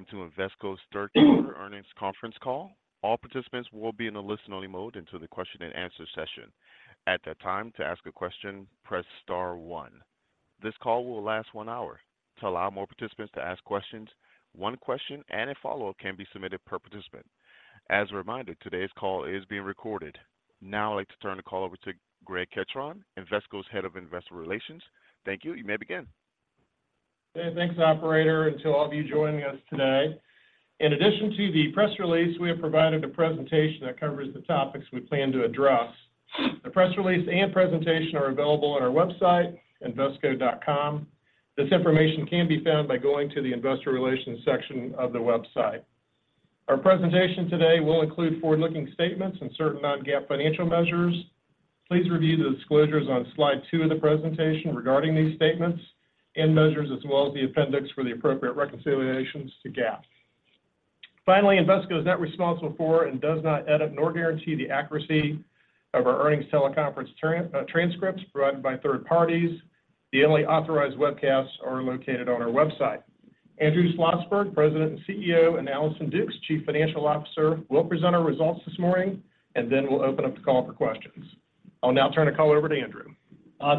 Welcome to Invesco's Q3 earnings conference call. All participants will be in a listen-only mode until the question and answer session. At that time, to ask a question, press star one. This call will last one hour. To allow more participants to ask questions, one question and a follow-up can be submitted per participant. As a reminder, today's call is being recorded. Now, I'd like to turn the call over to Greg Ketron, Invesco's Head of Investor Relations. Thank you. You may begin. Hey, thanks, operator, and to all of you joining us today. In addition to the press release, we have provided a presentation that covers the topics we plan to address. The press release and presentation are available on our website, invesco.com. This information can be found by going to the Investor Relations section of the website. Our presentation today will include forward-looking statements and certain non-GAAP financial measures. Please review the disclosures on slide two of the presentation regarding these statements and measures, as well as the appendix for the appropriate reconciliations to GAAP. Finally, Invesco is not responsible for and does not edit nor guarantee the accuracy of our earnings teleconference transcripts provided by third parties. The only authorized webcasts are located on our website. Andrew Schlossberg, President and CEO, and Allison Dukes, Chief Financial Officer, will present our results this morning, and then we'll open up the call for questions. I'll now turn the call over to Andrew.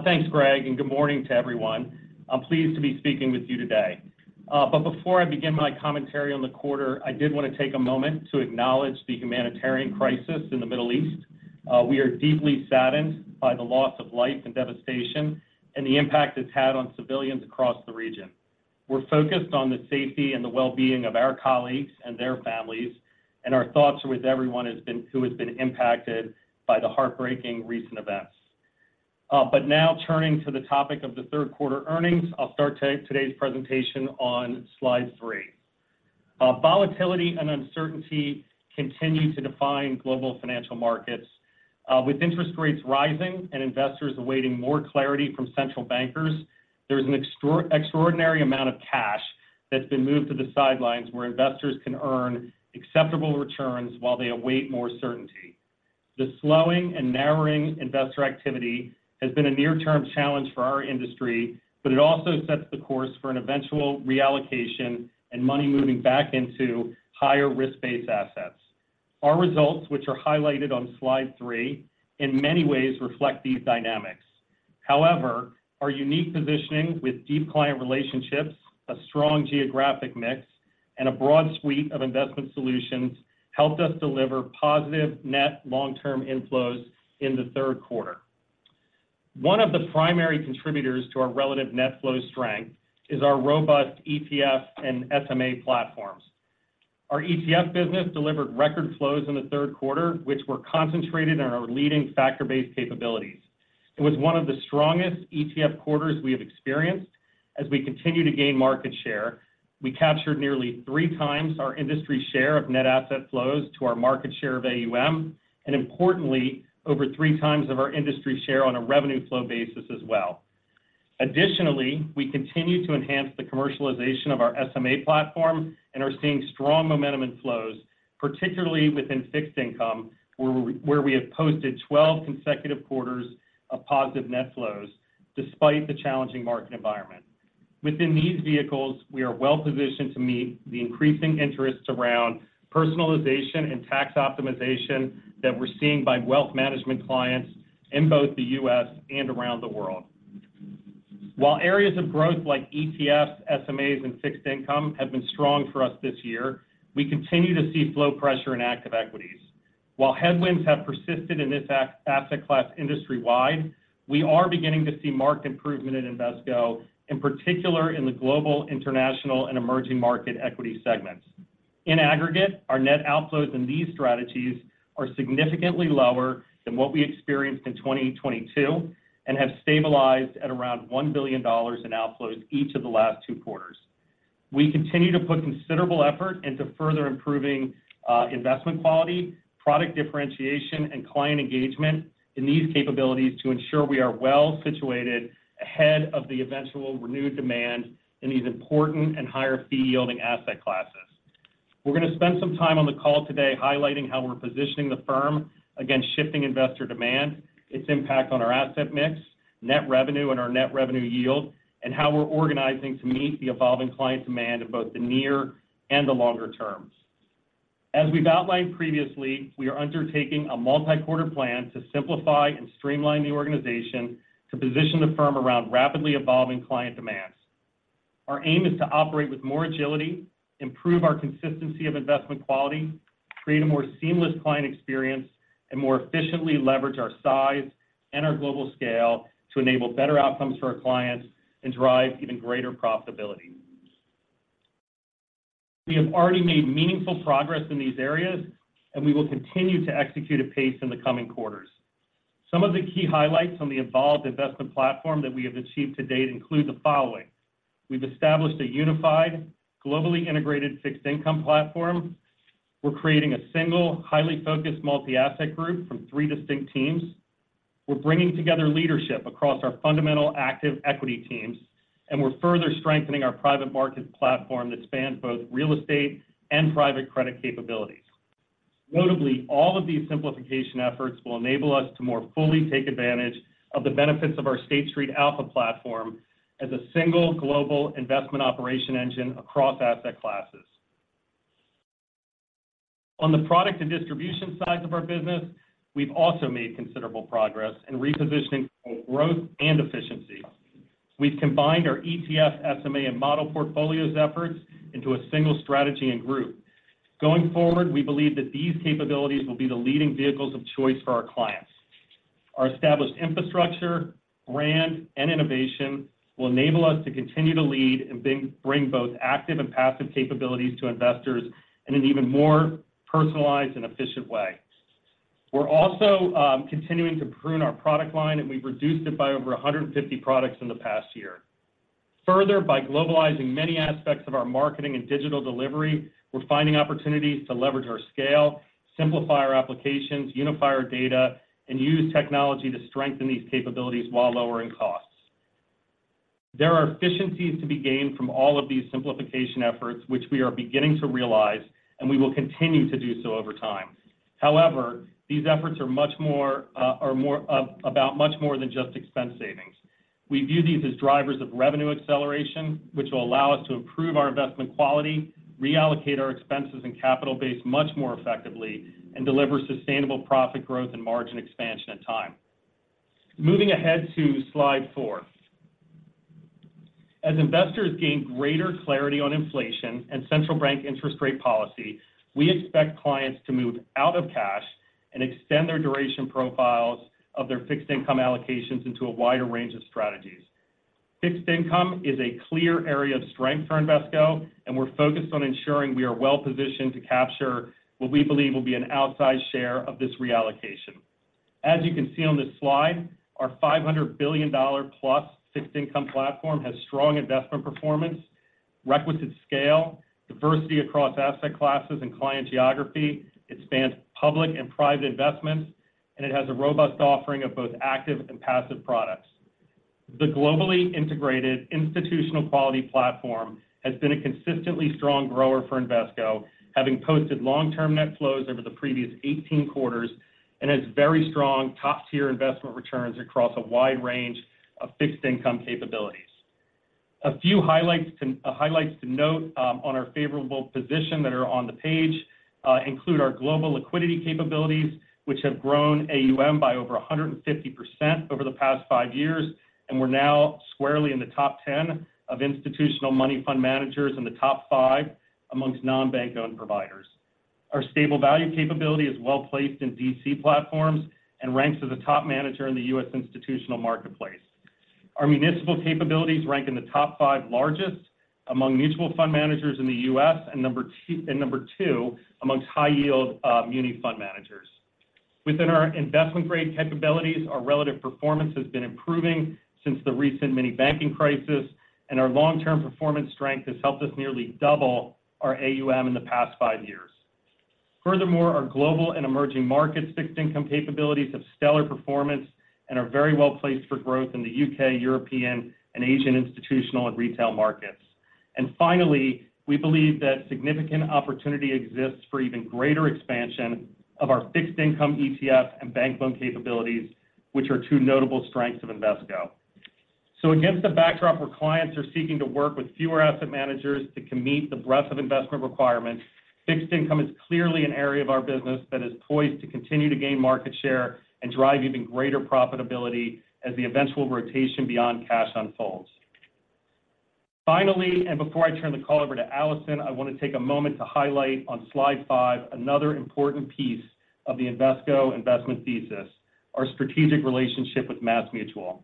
Thanks, Greg, and good morning to everyone. I'm pleased to be speaking with you today. But before I begin my commentary on the quarter, I did want to take a moment to acknowledge the humanitarian crisis in the Middle East. We are deeply saddened by the loss of life and devastation and the impact it's had on civilians across the region. We're focused on the safety and the well-being of our colleagues and their families, and our thoughts are with everyone who has been impacted by the heartbreaking recent events. But now turning to the topic of the Q3 earnings, I'll start today's presentation on slide three. Volatility and uncertainty continue to define global financial markets. With interest rates rising and investors awaiting more clarity from central bankers, there's an extraordinary amount of cash that's been moved to the sidelines, where investors can earn acceptable returns while they await more certainty. The slowing and narrowing investor activity has been a near-term challenge for our industry, but it also sets the course for an eventual reallocation and money moving back into higher risk-based assets. Our results, which are highlighted on slide three, in many ways reflect these dynamics. However, our unique positioning with deep client relationships, a strong geographic mix, and a broad suite of investment solutions helped us deliver positive net long-term inflows in the Q3. One of the primary contributors to our relative net flow strength is our robust ETF and SMA platforms. Our ETF business delivered record flows in the Q3, which were concentrated on our leading factor-based capabilities. It was one of the strongest ETF quarters we have experienced as we continue to gain market share. We captured nearly 3x our industry share of net asset flows to our market share of AUM, and importantly, over 3x of our industry share on a revenue flow basis as well. Additionally, we continue to enhance the commercialization of our SMA platform and are seeing strong momentum in flows, particularly within fixed income, where we have posted 12 consecutive quarters of positive net flows despite the challenging market environment. Within these vehicles, we are well positioned to meet the increasing interests around personalization and tax optimization that we're seeing by wealth management clients in both the U.S. and around the world. While areas of growth like ETFs, SMAs, and fixed income have been strong for us this year, we continue to see flow pressure in active equities. While headwinds have persisted in this asset class industry-wide, we are beginning to see marked improvement at Invesco, in particular in the global, international, and emerging market equity segments. In aggregate, our net outflows in these strategies are significantly lower than what we experienced in 2022 and have stabilized at around $1 billion in outflows each of the last two quarters. We continue to put considerable effort into further improving investment quality, product differentiation, and client engagement in these capabilities to ensure we are well situated ahead of the eventual renewed demand in these important and higher fee-yielding asset classes. We're going to spend some time on the call today highlighting how we're positioning the firm against shifting investor demand, its impact on our asset mix, net revenue and our net revenue yield, and how we're organizing to meet the evolving client demand in both the near and the longer terms. As we've outlined previously, we are undertaking a multi-quarter plan to simplify and streamline the organization to position the firm around rapidly evolving client demands. Our aim is to operate with more agility, improve our consistency of investment quality, create a more seamless client experience, and more efficiently leverage our size and our global scale to enable better outcomes for our clients and drive even greater profitability. We have already made meaningful progress in these areas, and we will continue to execute at pace in the coming quarters. Some of the key highlights on the evolved investment platform that we have achieved to date include the following: We've established a unified, globally integrated fixed income platform. We're creating a single, highly focused multi-asset group from three distinct teams. We're bringing together leadership across our fundamental active equity teams, and we're further strengthening our private markets platform that spans both real estate and private credit capabilities. Notably, all of these simplification efforts will enable us to more fully take advantage of the benefits of our State Street Alpha platform as a single global investment operation engine across asset classes. On the product and distribution side of our business, we've also made considerable progress in repositioning both growth and efficiency. We've combined our ETF, SMA, and model portfolios efforts into a single strategy and group. Going forward, we believe that these capabilities will be the leading vehicles of choice for our clients. Our established infrastructure, brand, and innovation will enable us to continue to lead and bring both active and passive capabilities to investors in an even more personalized and efficient way. We're also continuing to prune our product line, and we've reduced it by over 150 products in the past year. Further, by globalizing many aspects of our marketing and digital delivery, we're finding opportunities to leverage our scale, simplify our applications, unify our data, and use technology to strengthen these capabilities while lowering costs. There are efficiencies to be gained from all of these simplification efforts, which we are beginning to realize, and we will continue to do so over time. However, these efforts are much more about much more than just expense savings. We view these as drivers of revenue acceleration, which will allow us to improve our investment quality, reallocate our expenses and capital base much more effectively, and deliver sustainable profit growth and margin expansion in time. Moving ahead to slide four. As investors gain greater clarity on inflation and central bank interest rate policy, we expect clients to move out of cash and extend their duration profiles of their fixed income allocations into a wider range of strategies. Fixed income is a clear area of strength for Invesco, and we're focused on ensuring we are well-positioned to capture what we believe will be an outsized share of this reallocation. As you can see on this slide, our $500 billion + fixed income platform has strong investment performance, requisite scale, diversity across asset classes and client geography. It spans public and private investments, and it has a robust offering of both active and passive products. The globally integrated institutional quality platform has been a consistently strong grower for Invesco, having posted long-term net flows over the previous 18 quarters and has very strong, top-tier investment returns across a wide range of fixed income capabilities. A few highlights to note on our favorable position that are on the page include our global liquidity capabilities, which have grown AUM by over 150% over the past five years, and we're now squarely in the top 10 of institutional money fund managers and the top 5 amongst non-bank-owned providers. Our stable value capability is well-placed in DC platforms and ranks as a top manager in the U.S. institutional marketplace. Our municipal capabilities rank in the top five largest among mutual fund managers in the U.S., and number two amongst high-yield muni fund managers. Within our investment-grade capabilities, our relative performance has been improving since the recent mini banking crisis, and our long-term performance strength has helped us nearly double our AUM in the past five years. Furthermore, our global and emerging markets fixed income capabilities have stellar performance and are very well-placed for growth in the U.K., European, and Asian institutional and retail markets. Finally, we believe that significant opportunity exists for even greater expansion of our fixed income ETF and bank loan capabilities, which are two notable strengths of Invesco. So against a backdrop where clients are seeking to work with fewer asset managers to meet the breadth of investment requirements, fixed income is clearly an area of our business that is poised to continue to gain market share and drive even greater profitability as the eventual rotation beyond cash unfolds. Finally, and before I turn the call over to Allison, I want to take a moment to highlight on slide five, another important piece of the Invesco investment thesis, our strategic relationship with MassMutual.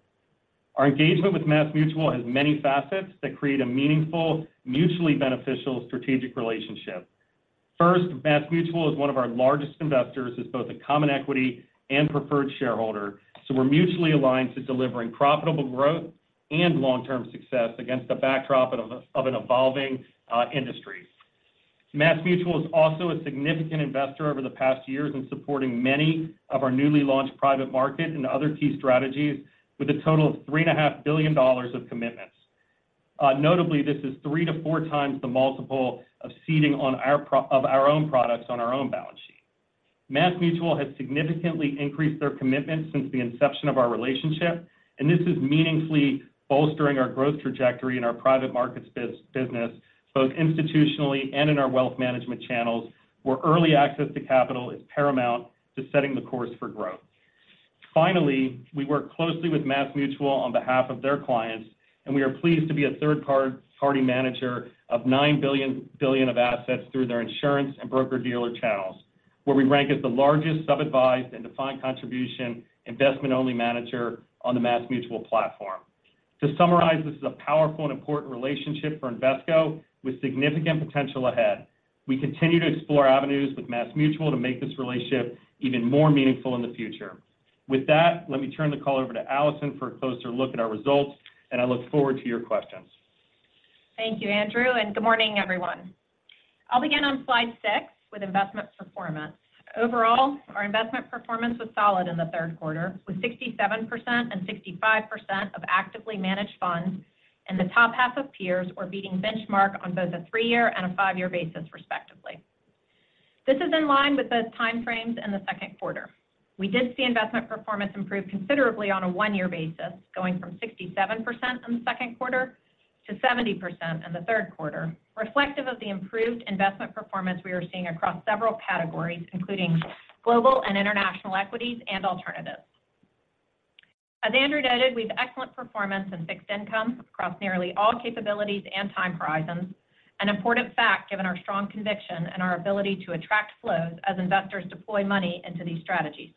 Our engagement with MassMutual has many facets that create a meaningful, mutually beneficial strategic relationship. First, MassMutual is one of our largest investors as both a common equity and preferred shareholder, so we're mutually aligned to delivering profitable growth and long-term success against the backdrop of an evolving industry. MassMutual is also a significant investor over the past years in supporting many of our newly launched private market and other key strategies with a total of $3.5 billion of commitments. Notably, this is 3-4x the multiple of seeding on our own products on our own balance sheet. MassMutual has significantly increased their commitment since the inception of our relationship, and this is meaningfully bolstering our growth trajectory in our private markets business, both institutionally and in our wealth management channels, where early access to capital is paramount to setting the course for growth. Finally, we work closely with MassMutual on behalf of their clients, and we are pleased to be a third-party manager of $9 billion of assets through their insurance and broker-dealer channels, where we rank as the largest sub-advised and defined contribution investment-only manager on the MassMutual platform. To summarize, this is a powerful and important relationship for Invesco with significant potential ahead. We continue to explore avenues with MassMutual to make this relationship even more meaningful in the future. With that, let me turn the call over to Allison for a closer look at our results, and I look forward to your questions. Thank you, Andrew, and good morning, everyone. I'll begin on slide six with investment performance. Overall, our investment performance was solid in the Q3, with 67% and 65% of actively managed funds in the top half of peers or beating benchmark on both a three-year and a five-year basis, respectively. This is in line with the time frames in the Q2. We did see investment performance improve considerably on a one-year basis, going from 67% in the Q2 to 70% in the Q3, reflective of the improved investment performance we are seeing across several categories, including global and international equities and alternatives. As Andrew noted, we have excellent performance in fixed income across nearly all capabilities and time horizons, an important fact given our strong conviction and our ability to attract flows as investors deploy money into these strategies.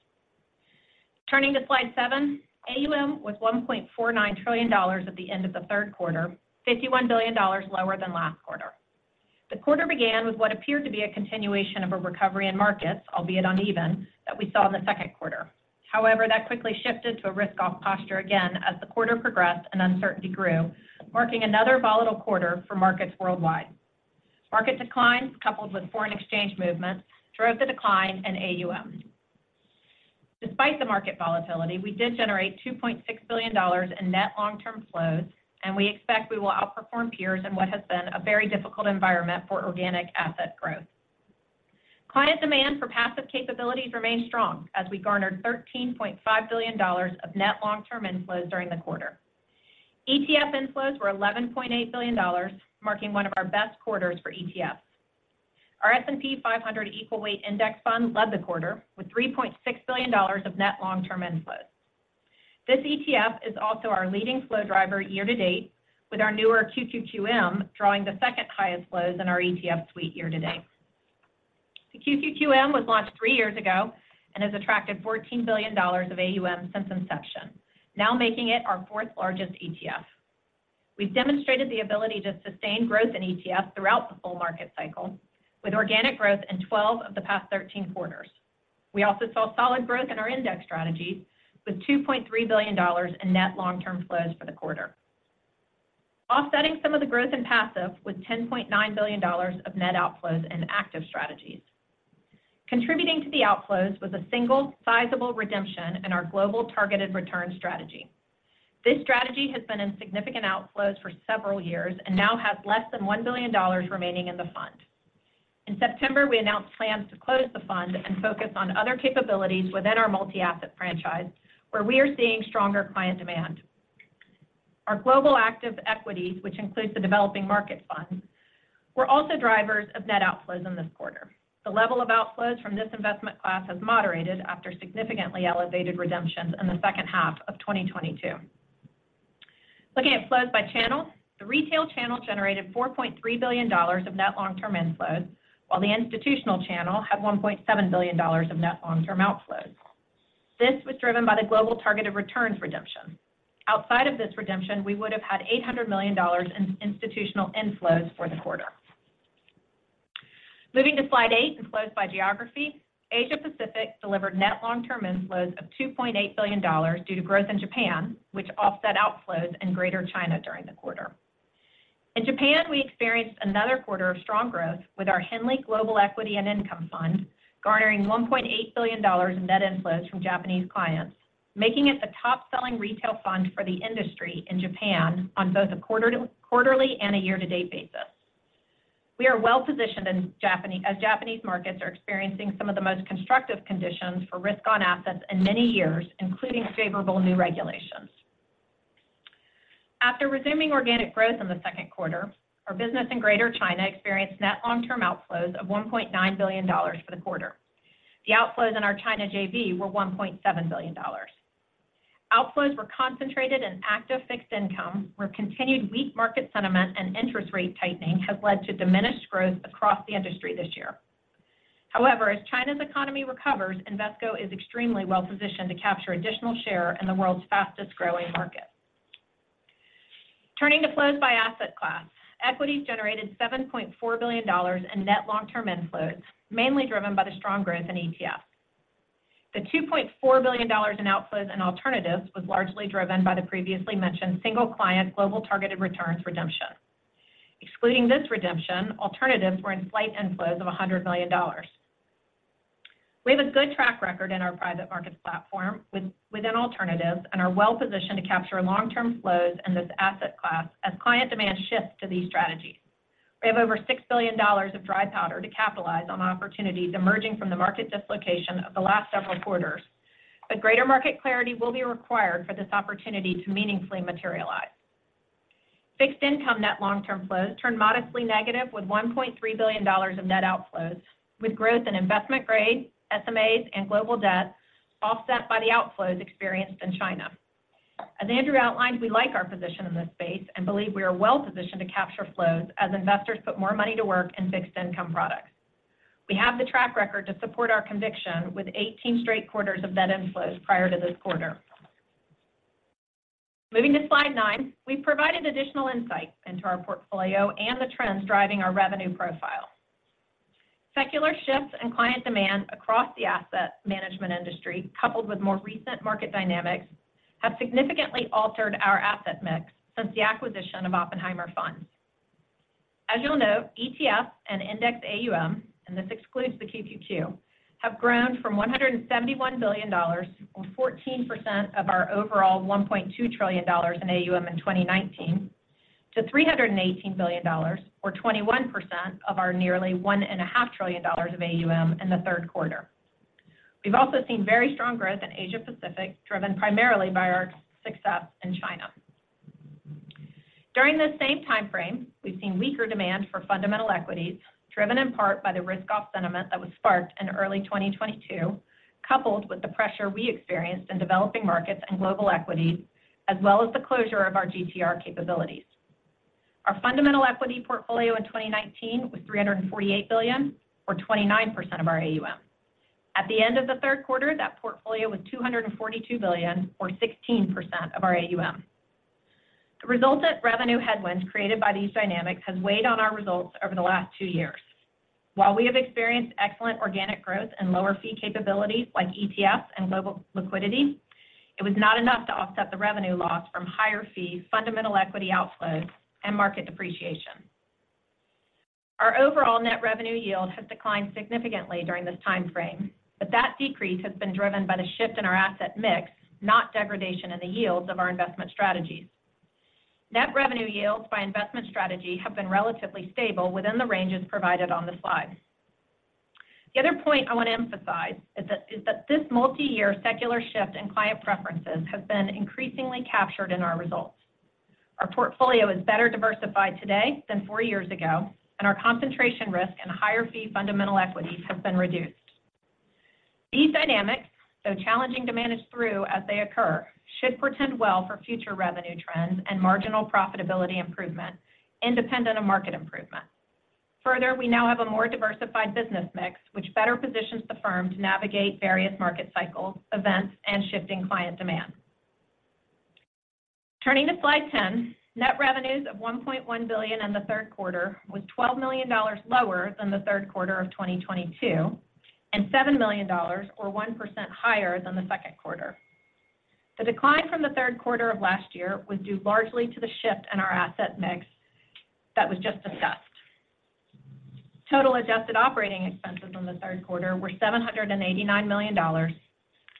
Turning to slide seven, AUM was $1.49 trillion at the end of the Q3, $51 billion lower than last quarter. The quarter began with what appeared to be a continuation of a recovery in markets, albeit uneven, that we saw in the Q2. However, that quickly shifted to a risk-off posture again as the quarter progressed and uncertainty grew, marking another volatile quarter for markets worldwide. Market declines, coupled with foreign exchange movements, drove the decline in AUM. Despite the market volatility, we did generate $2.6 billion in net long-term flows, and we expect we will outperform peers in what has been a very difficult environment for organic asset growth. Client demand for passive capabilities remained strong as we garnered $13.5 billion of net long-term inflows during the quarter. ETF inflows were $11.8 billion, marking one of our best quarters for ETFs. Our S&P 500 Equal Weight Index Fund led the quarter, with $3.6 billion of net long-term inflows. This ETF is also our leading flow driver year to date, with our newer QQQM drawing the second highest flows in our ETF suite year to date. The QQQM was launched three years ago and has attracted $14 billion of AUM since inception, now making it our fourth-largest ETF. We've demonstrated the ability to sustain growth in ETFs throughout the full market cycle, with organic growth in 12 of the past 13 quarters. We also saw solid growth in our index strategies, with $2.3 billion in net long-term flows for the quarter. Offsetting some of the growth in passive was $10.9 billion of net outflows in active strategies. Contributing to the outflows was a single sizable redemption in our Global Targeted Returns strategy. This strategy has been in significant outflows for several years and now has less than $1 billion remaining in the fund. In September, we announced plans to close the fund and focus on other capabilities within our multi-asset franchise, where we are seeing stronger client demand. Our global active equities, which includes the developing market funds, were also drivers of net outflows in this quarter. The level of outflows from this investment class has moderated after significantly elevated redemptions in the second half of 2022. Looking at flows by channel, the retail channel generated $4.3 billion of net long-term inflows, while the institutional channel had $1.7 billion of net long-term outflows. This was driven by the Global Targeted Returns redemption. Outside of this redemption, we would have had $800 million in institutional inflows for the quarter. Moving to slide eight and flows by geography, Asia Pacific delivered net long-term inflows of $2.8 billion due to growth in Japan, which offset outflows in Greater China during the quarter. In Japan, we experienced another quarter of strong growth with our Henley Global Equity and Income Fund, garnering $1.8 billion in net inflows from Japanese clients, making it the top-selling retail fund for the industry in Japan on both a quarterly and a year-to-date basis. We are well-positioned in Japan, as Japanese markets are experiencing some of the most constructive conditions for risk-on assets in many years, including favorable new regulations. After resuming organic growth in the Q2, our business in Greater China experienced net long-term outflows of $1.9 billion for the quarter. The outflows in our China JV were $1.7 billion. Outflows were concentrated in active fixed income, where continued weak market sentiment and interest rate tightening has led to diminished growth across the industry this year. However, as China's economy recovers, Invesco is extremely well-positioned to capture additional share in the world's fastest-growing market. Turning to flows by asset class, equities generated $7.4 billion in net long-term inflows, mainly driven by the strong growth in ETFs. The $2.4 billion in outflows and alternatives was largely driven by the previously mentioned single client global targeted returns redemption. Excluding this redemption, alternatives were in slight inflows of $100 million. We have a good track record in our private markets platform within alternatives and are well positioned to capture long-term flows in this asset class as client demand shifts to these strategies. We have over $6 billion of dry powder to capitalize on opportunities emerging from the market dislocation of the last several quarters, but greater market clarity will be required for this opportunity to meaningfully materialize. Fixed income net long-term flows turned modestly negative, with $1.3 billion of net outflows, with growth in investment grade, SMAs, and global debt offset by the outflows experienced in China. As Andrew outlined, we like our position in this space and believe we are well positioned to capture flows as investors put more money to work in fixed income products. We have the track record to support our conviction, with 18 straight quarters of net inflows prior to this quarter. Moving to slide nine, we've provided additional insight into our portfolio and the trends driving our revenue profile. Secular shifts in client demand across the asset management industry, coupled with more recent market dynamics, have significantly altered our asset mix since the acquisition of OppenheimerFunds. As you'll note, ETF and index AUM, and this excludes the QQQ, have grown from $171 billion or 14% of our overall $1.2 trillion in AUM in 2019, to $318 billion or 21% of our nearly $1.5 trillion of AUM in the Q3. We've also seen very strong growth in Asia Pacific, driven primarily by our success in China. During this same time frame, we've seen weaker demand for fundamental equities, driven in part by the risk-off sentiment that was sparked in early 2022, coupled with the pressure we experienced in developing markets and global equities, as well as the closure of our GTR capabilities. Our fundamental equity portfolio in 2019 was $348 billion or 29% of our AUM. At the end of the Q3, that portfolio was $242 billion or 16% of our AUM. The resultant revenue headwinds created by these dynamics has weighed on our results over the last two years. While we have experienced excellent organic growth and lower fee capabilities like ETF and global liquidity, it was not enough to offset the revenue loss from higher fees, fundamental equity outflows, and market depreciation. Our overall net revenue yield has declined significantly during this time frame, but that decrease has been driven by the shift in our asset mix, not degradation in the yields of our investment strategies. Net revenue yields by investment strategy have been relatively stable within the ranges provided on the slide. The other point I want to emphasize is that this multi-year secular shift in client preferences has been increasingly captured in our results. Our portfolio is better diversified today than four years ago, and our concentration risk and higher fee fundamental equities have been reduced. These dynamics, though challenging to manage through as they occur, should portend well for future revenue trends and marginal profitability improvement independent of market improvement. Further, we now have a more diversified business mix, which better positions the firm to navigate various market cycles, events, and shifting client demand. Turning to slide 10, net revenues of $1.1 billion in the Q3 was $12 million lower than the Q3 of 2022, and $7 million or 1% higher than the Q2. The decline from the Q3 of last year was due largely to the shift in our asset mix that was just discussed. Total adjusted operating expenses in the Q3 were $789 million,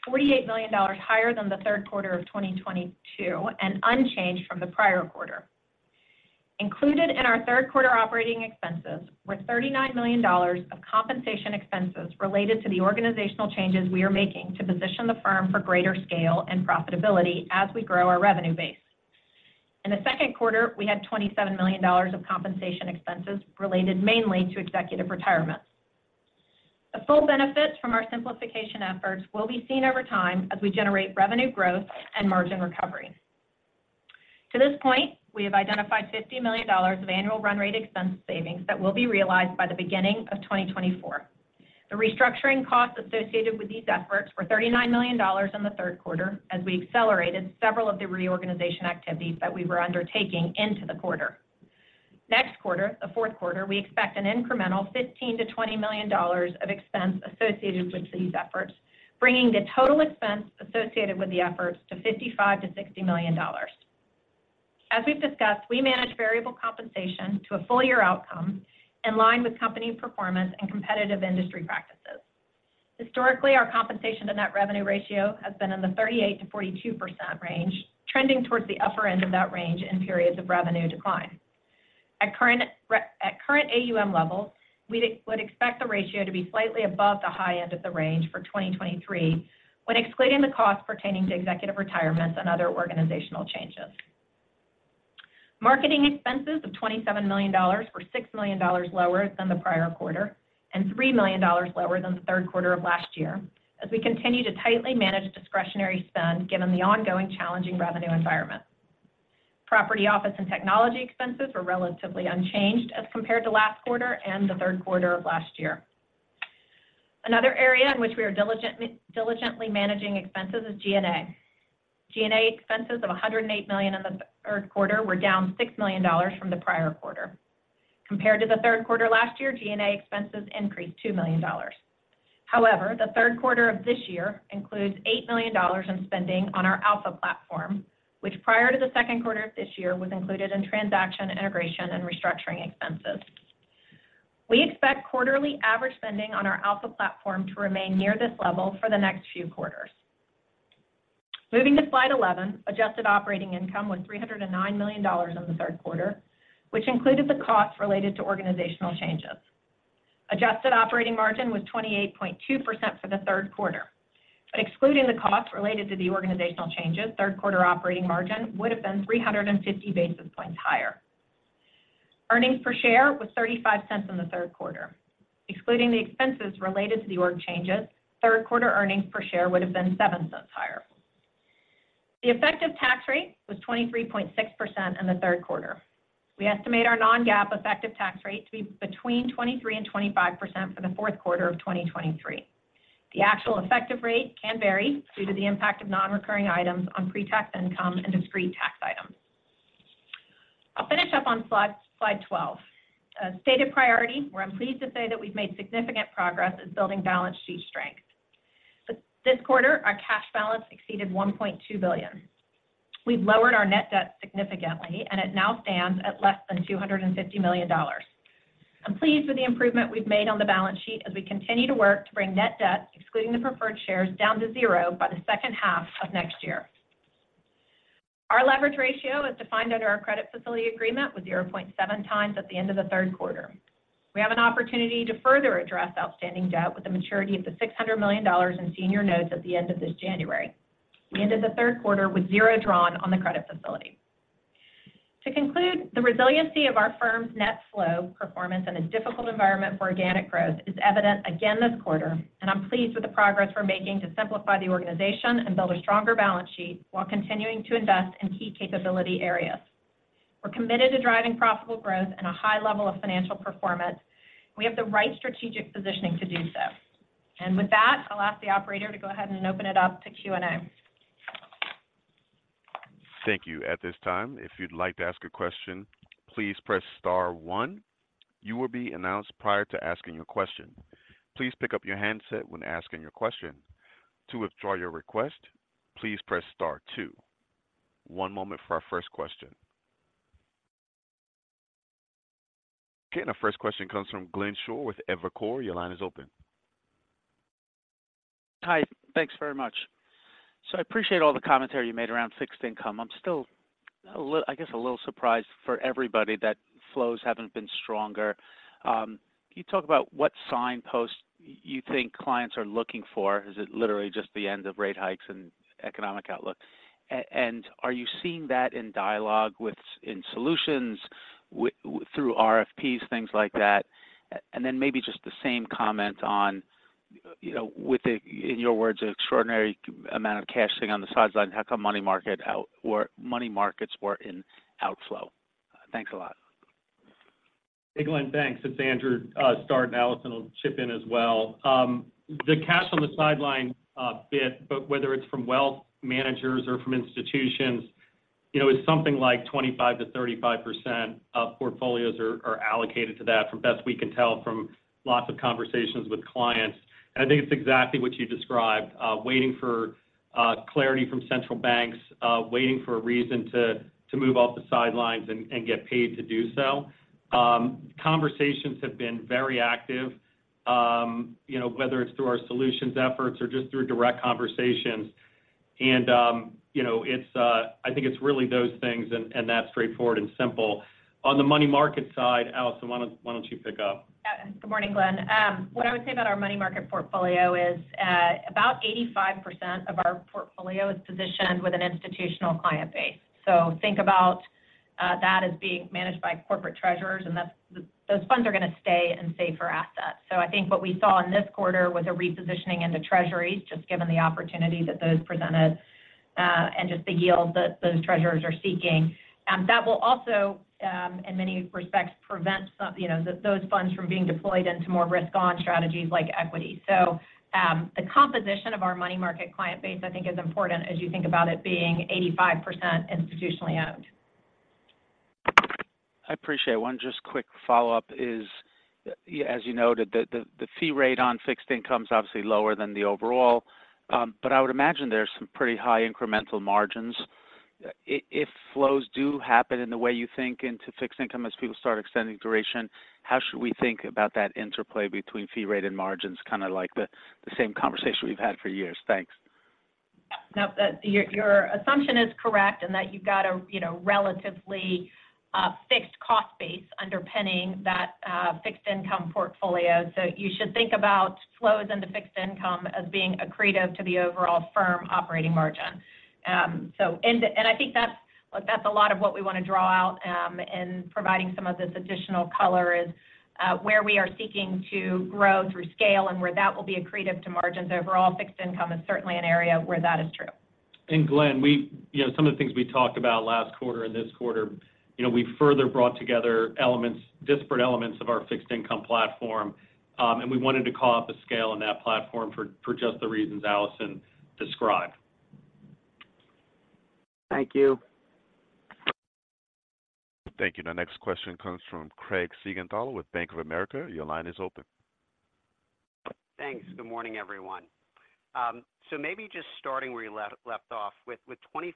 $48 million higher than the Q3 of 2022, and unchanged from the prior quarter. Included in our Q3 operating expenses were $39 million of compensation expenses related to the organizational changes we are making to position the firm for greater scale and profitability as we grow our revenue base. In the Q2, we had $27 million of compensation expenses related mainly to executive retirement. The full benefits from our simplification efforts will be seen over time as we generate revenue growth and margin recovery. To this point, we have identified $50 million of annual run rate expense savings that will be realized by the beginning of 2024. The restructuring costs associated with these efforts were $39 million in the Q3, as we accelerated several of the reorganization activities that we were undertaking into the quarter. Next quarter, the Q4, we expect an incremental $15 million-$20 million of expense associated with these efforts, bringing the total expense associated with the efforts to $55 million-$60 million. As we've discussed, we manage variable compensation to a full-year outcome in line with company performance and competitive industry practices. Historically, our compensation to net revenue ratio has been in the 38%-42% range, trending towards the upper end of that range in periods of revenue decline. At current AUM levels, we would expect the ratio to be slightly above the high end of the range for 2023, when excluding the costs pertaining to executive retirements and other organizational changes. Marketing expenses of $27 million were $6 million lower than the prior quarter, and $3 million lower than the Q3 of last year. As we continue to tightly manage discretionary spend, given the ongoing challenging revenue environment. Property, office, and technology expenses were relatively unchanged as compared to last quarter and the Q3 of last year. Another area in which we are diligently managing expenses is G&A. G&A expenses of $108 million in the Q3 were down $6 million from the prior quarter. Compared to the Q3 last year, G&A expenses increased $2 million. However, the Q3 of this year includes $8 million in spending on our Alpha platform, which prior to the Q2 of this year, was included in transaction, integration, and restructuring expenses. We expect quarterly average spending on our Alpha platform to remain near this level for the next few quarters. Moving to slide 11, adjusted operating income was $309 million in the Q3, which included the costs related to organizational changes. Adjusted operating margin was 28.2% for the Q3, but excluding the costs related to the organizational changes, Q3 operating margin would have been 350 basis points higher. Earnings per share was $0.35 in the Q3. Excluding the expenses related to the org changes, Q3 earnings per share would have been $0.07 higher. The effective tax rate was 23.6% in the Q3. We estimate our non-GAAP effective tax rate to be between 23% and 25% for the Q4 of 2023. The actual effective rate can vary due to the impact of non-recurring items on pre-tax income and discrete tax items. I'll finish up on slide 12. A stated priority, where I'm pleased to say that we've made significant progress, is building balance sheet strength. This quarter, our cash balance exceeded $1.2 billion. We've lowered our net debt significantly, and it now stands at less than $250 million. I'm pleased with the improvement we've made on the balance sheet as we continue to work to bring net debt, excluding the preferred shares, down to zero by the second half of next year. Our leverage ratio is defined under our credit facility agreement with 0.7x at the end of the Q3. We have an opportunity to further address outstanding debt with the maturity of the $600 million in senior notes at the end of this January. We ended the Q3 with zero drawn on the credit facility. To conclude, the resiliency of our firm's net flow performance in a difficult environment for organic growth is evident again this quarter, and I'm pleased with the progress we're making to simplify the organization and build a stronger balance sheet while continuing to invest in key capability areas. We're committed to driving profitable growth and a high level of financial performance. We have the right strategic positioning to do so. And with that, I'll ask the operator to go ahead and open it up to Q&A. Thank you. At this time, if you'd like to ask a question, please press star one. You will be announced prior to asking your question. Please pick up your handset when asking your question. To withdraw your request, please press star two. One moment for our first question. Okay, and our first question comes from Glenn Schorr with Evercore. Your line is open. Hi, thanks very much. So I appreciate all the commentary you made around fixed income. I'm still a little surprised for everybody that flows haven't been stronger. Can you talk about what signposts you think clients are looking for? Is it literally just the end of rate hikes and economic outlook? And are you seeing that in dialogue within solutions, through RFPs, things like that? And then maybe just the same comment on, you know, with the, in your words, "an extraordinary amount of cash sitting on the sidelines," how come money market or money markets were in outflow? Thanks a lot. Hey, Glenn, thanks. It's Andrew Schlossberg, and Allison will chip in as well. The cash on the sideline bit, but whether it's from wealth managers or from institutions, you know, is something like 25%-35% of portfolios are allocated to that, from best we can tell from lots of conversations with clients. And I think it's exactly what you described, waiting for clarity from central banks, waiting for a reason to move off the sidelines and get paid to do so. Conversations have been very active, you know, whether it's through our solutions efforts or just through direct conversations. And, you know, it's... I think it's really those things, and that's straightforward and simple. On the money market side, Allison, why don't you pick up? Yeah. Good morning, Glenn. What I would say about our money market portfolio is, about 85% of our portfolio is positioned with an institutional client base. So think about that as being managed by corporate treasurers, and that's, the, those funds are going to stay in safer assets. So I think what we saw in this quarter was a repositioning into treasuries, just given the opportunity that those presented, and just the yield that those treasurers are seeking. That will also, in many respects, prevent some, you know, those funds from being deployed into more risk-on strategies like equity. So, the composition of our money market client base, I think, is important as you think about it being 85% institutionally owned. I appreciate. One just quick follow-up is, yeah, as you noted, the fee rate on fixed income is obviously lower than the overall, but I would imagine there are some pretty high incremental margins. If flows do happen in the way you think into fixed income as people start extending duration, how should we think about that interplay between fee rate and margins? Kind of like the same conversation we've had for years. Thanks. Yeah. No, your assumption is correct, and that you've got a, you know, relatively fixed cost base underpinning that fixed income portfolio. So you should think about flows into fixed income as being accretive to the overall firm operating margin. So and, and I think that's, like, that's a lot of what we want to draw out, in providing some of this additional color is, where we are seeking to grow through scale and where that will be accretive to margins overall. Fixed income is certainly an area where that is true. Glenn, we, you know, some of the things we talked about last quarter and this quarter, you know, we further brought together elements, disparate elements of our fixed income platform, and we wanted to call up the scale on that platform for, for just the reasons Allison described. Thank you. Thank you. The next question comes from Craig Siegenthaler with Bank of America. Your line is open. Thanks. Good morning, everyone. So maybe just starting where you left off with 25%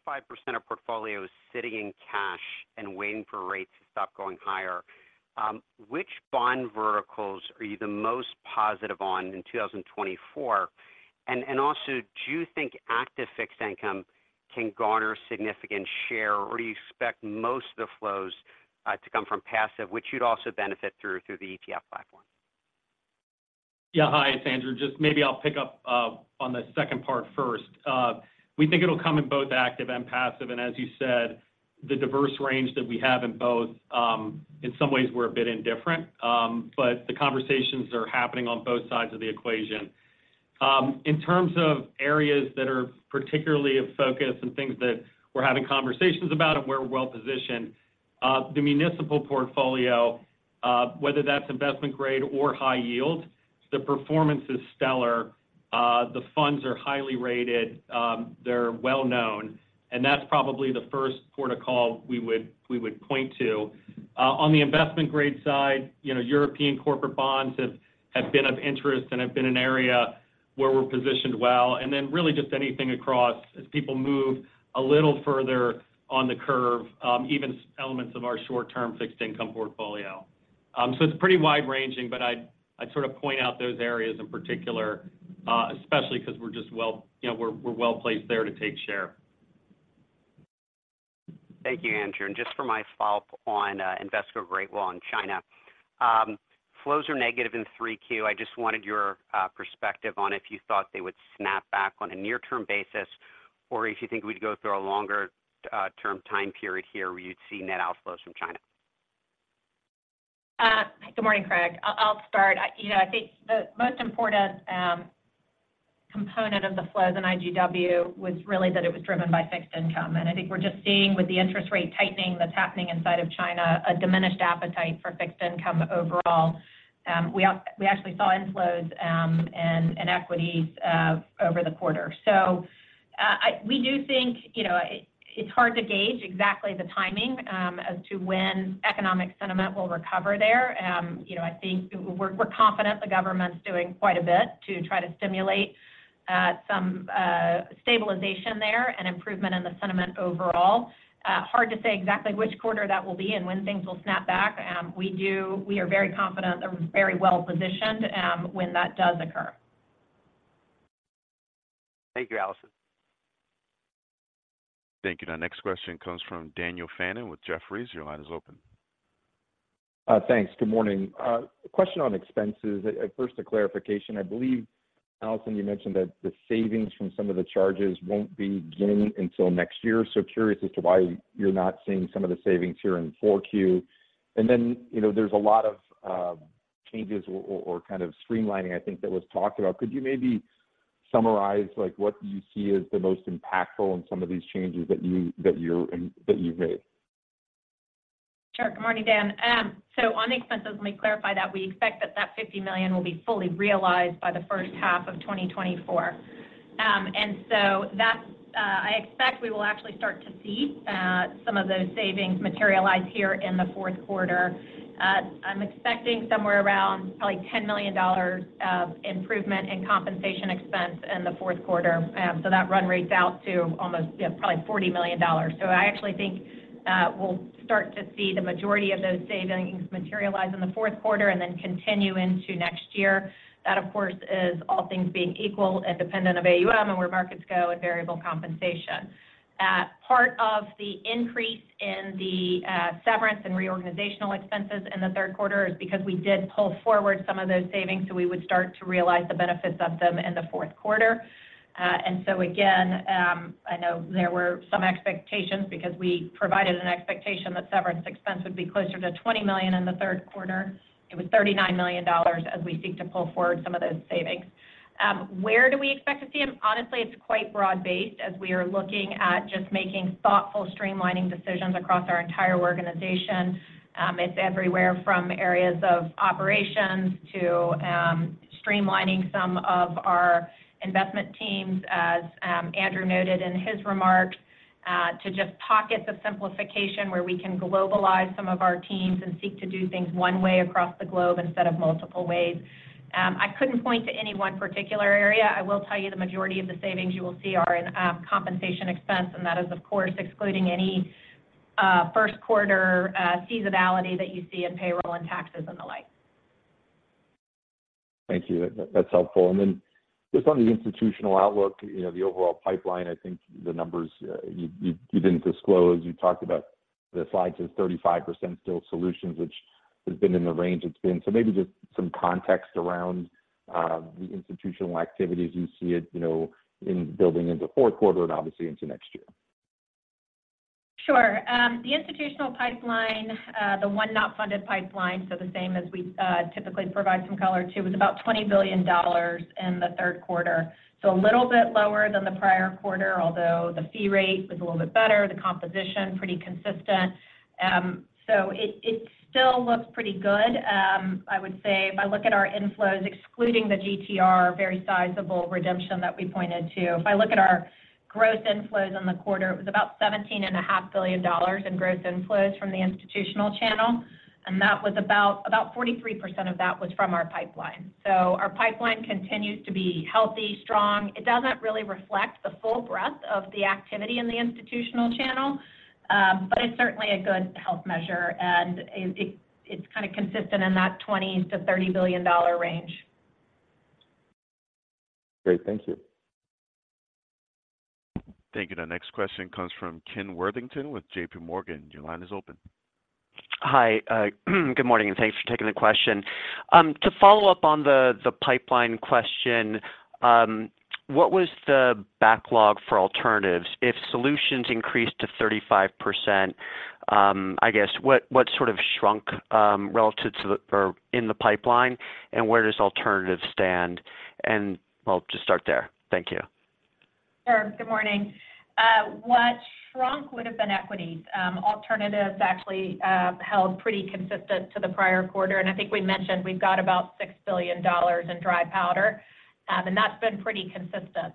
of portfolios sitting in cash and waiting for rates to stop going higher, which bond verticals are you the most positive on in 2024? And also, do you think active fixed income can garner significant share, or do you expect most of the flows to come from passive, which you'd also benefit through the ETF platform? Yeah. Hi, it's Andrew. Just maybe I'll pick up on the second part first. We think it'll come in both active and passive, and as you said, the diverse range that we have in both, in some ways we're a bit indifferent, but the conversations are happening on both sides of the equation. In terms of areas that are particularly of focus and things that we're having conversations about and we're well-positioned, the municipal portfolio, whether that's investment-grade or high yield, the performance is stellar, the funds are highly rated, they're well-known, and that's probably the first port of call we would, we would point to. On the investment-grade side, you know, European corporate bonds have been of interest and have been an area where we're positioned well, and then really just anything across as people move a little further on the curve, even elements of our short-term fixed income portfolio. So it's pretty wide-ranging, but I'd sort of point out those areas in particular, especially 'cause we're just well, you know, we're well-placed there to take share. Thank you, Andrew. And just for my follow-up on Invesco Great Wall in China. Flows are negative in 3Q. I just wanted your perspective on if you thought they would snap back on a near-term basis, or if you think we'd go through a longer-term time period here where you'd see net outflows from China. Good morning, Craig. I'll start. You know, I think the most important component of the flows in IGW was really that it was driven by fixed income. And I think we're just seeing, with the interest rate tightening that's happening inside of China, a diminished appetite for fixed income overall. We actually saw inflows in equities over the quarter. So, we do think, you know, it's hard to gauge exactly the timing as to when economic sentiment will recover there. You know, I think we're confident the government's doing quite a bit to try to stimulate some stabilization there and improvement in the sentiment overall. Hard to say exactly which quarter that will be and when things will snap back. We are very confident and very well positioned when that does occur. Thank you, Allison. Thank you. Our next question comes from Daniel Fannon with Jefferies. Your line is open. Thanks. Good morning. A question on expenses. First, a clarification. I believe, Allison, you mentioned that the savings from some of the charges won't be gaining until next year. So curious as to why you're not seeing some of the savings here in Q4. And then, you know, there's a lot of changes or kind of streamlining, I think, that was talked about. Could you maybe summarize, like, what you see as the most impactful in some of these changes that you, that you're, that you've made? Sure. Good morning, Dan. So on the expenses, let me clarify that. We expect that that $50 million will be fully realized by the first half of 2024. And so that, I expect we will actually start to see some of those savings materialize here in the Q4. I'm expecting somewhere around probably $10 million of improvement in compensation expense in the Q4. So that run rates out to almost, yeah, probably $40 million. So I actually think, we'll start to see the majority of those savings materialize in the Q4 and then continue into next year. That, of course, is all things being equal and dependent on AUM and where markets go and variable compensation. Part of the increase in the severance and reorganizational expenses in the Q3 is because we did pull forward some of those savings, so we would start to realize the benefits of them in the Q4. And so again, I know there were some expectations because we provided an expectation that severance expense would be closer to $20 million in the Q3. It was $39 million as we seek to pull forward some of those savings. Where do we expect to see them? Honestly, it's quite broad-based, as we are looking at just making thoughtful, streamlining decisions across our entire organization. It's everywhere from areas of operations to streamlining some of our investment teams, as Andrew noted in his remarks, to just pocket the simplification where we can globalize some of our teams and seek to do things one way across the globe instead of multiple ways. I couldn't point to any one particular area. I will tell you the majority of the savings you will see are in compensation expense, and that is, of course, excluding any first quarter seasonality that you see in payroll and taxes and the like. Thank you. That, that's helpful. And then just on the institutional outlook, you know, the overall pipeline, I think the numbers, you didn't disclose. You talked about the slide says 35% still solutions, which has been in the range it's been. So maybe just some context around the institutional activities you see it, you know, in building into Q4 and obviously into next year. Sure. The institutional pipeline, the one not funded pipeline, so the same as we typically provide some color to, was about $20 billion in the Q3. So a little bit lower than the prior quarter, although the fee rate was a little bit better, the composition pretty consistent. So it still looks pretty good. I would say if I look at our inflows, excluding the GTR, very sizable redemption that we pointed to. If I look at our gross inflows in the quarter, it was about $17.5 billion in gross inflows from the institutional channel, and that was about 43% of that was from our pipeline. So our pipeline continues to be healthy, strong.It doesn't really reflect the full breadth of the activity in the institutional channel, but it's certainly a good health measure, and it, it's kind of consistent in that $20 billion-$30 billion range. Great. Thank you. Thank you. The next question comes from Ken Worthington with JP Morgan. Your line is open. Hi, good morning, and thanks for taking the question. To follow up on the pipeline question, what was the backlog for alternatives? If solutions increased to 35%, I guess, what sort of shrunk relative to the-- or in the pipeline, and where does alternatives stand? Well, just start there. Thank you. Sure. Good morning. What shrunk would have been equities. Alternatives actually held pretty consistent to the prior quarter, and I think we mentioned we've got about $6 billion in dry powder, and that's been pretty consistent.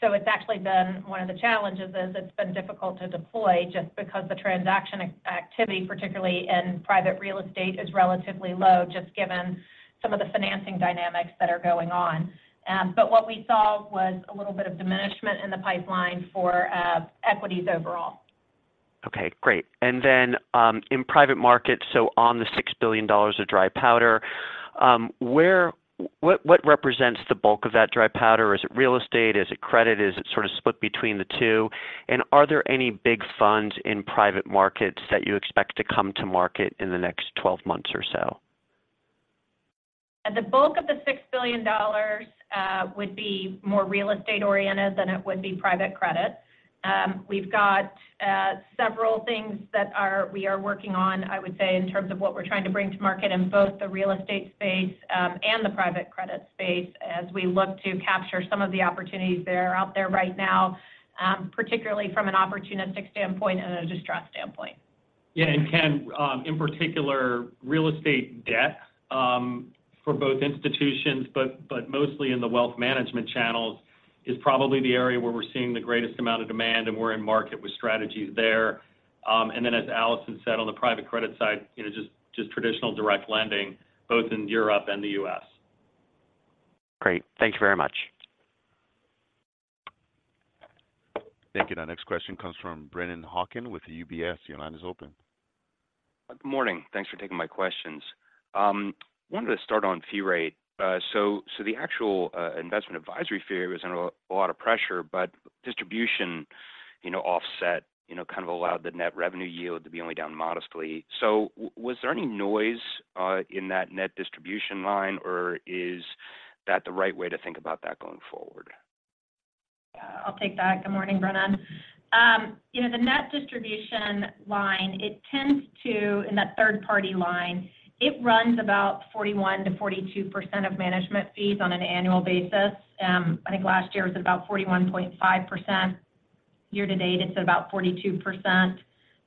So it's actually been one of the challenges is it's been difficult to deploy just because the transaction activity, particularly in private real estate, is relatively low, just given some of the financing dynamics that are going on. But what we saw was a little bit of diminishment in the pipeline for equities overall. Okay, great. And then, in private markets, so on the $6 billion of dry powder, what represents the bulk of that dry powder? Is it real estate? Is it credit? Is it sort of split between the two? And are there any big funds in private markets that you expect to come to market in the next 12 months or so? The bulk of the $6 billion would be more real estate-oriented than it would be private credit. We've got several things we are working on, I would say, in terms of what we're trying to bring to market in both the real estate space and the private credit space, as we look to capture some of the opportunities that are out there right now, particularly from an opportunistic standpoint and a distressed standpoint. Yeah, and Ken, in particular, real estate debt, for both institutions, but mostly in the wealth management channels, is probably the area where we're seeing the greatest amount of demand, and we're in market with strategies there. And then, as Allison said, on the private credit side, you know, just traditional direct lending, both in Europe and the U.S. Great. Thank you very much. Thank you. Our next question comes from Brennan Hawken with UBS. Your line is open. Good morning. Thanks for taking my questions. Wanted to start on fee rate. So the actual investment advisory fee was under a lot of pressure, but distribution, you know, offset, you know, kind of allowed the net revenue yield to be only down modestly. So was there any noise in that net distribution line, or is that the right way to think about that going forward? Yeah, I'll take that. Good morning, Brennan. You know, the net distribution line, it tends to... in that third-party line, it runs about 41%-42% of management fees on an annual basis. I think last year was about 41.5%. Year to date, it's about 42%.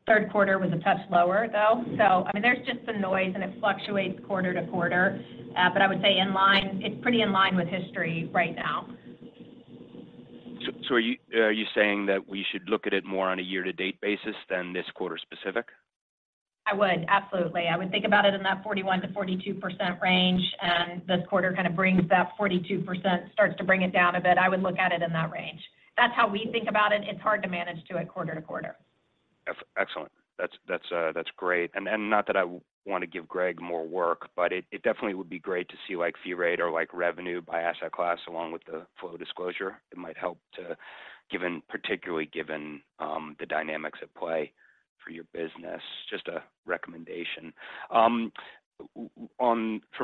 Q3 was a touch lower, though. So I mean, there's just some noise, and it fluctuates quarter-to-quarter. But I would say in line—it's pretty in line with history right now. So, are you saying that we should look at it more on a year-to-date basis than this quarter-specific? I would, absolutely. I would think about it in that 41%-42% range, and this quarter kind of brings that 42%, starts to bring it down a bit. I would look at it in that range. That's how we think about it. It's hard to manage to it quarter-to-quarter. Excellent. That's great. And not that I want to give Greg more work, but it definitely would be great to see, like, fee rate or, like, revenue by asset class along with the flow disclosure. It might help, particularly given the dynamics at play for your business. Just a recommendation. For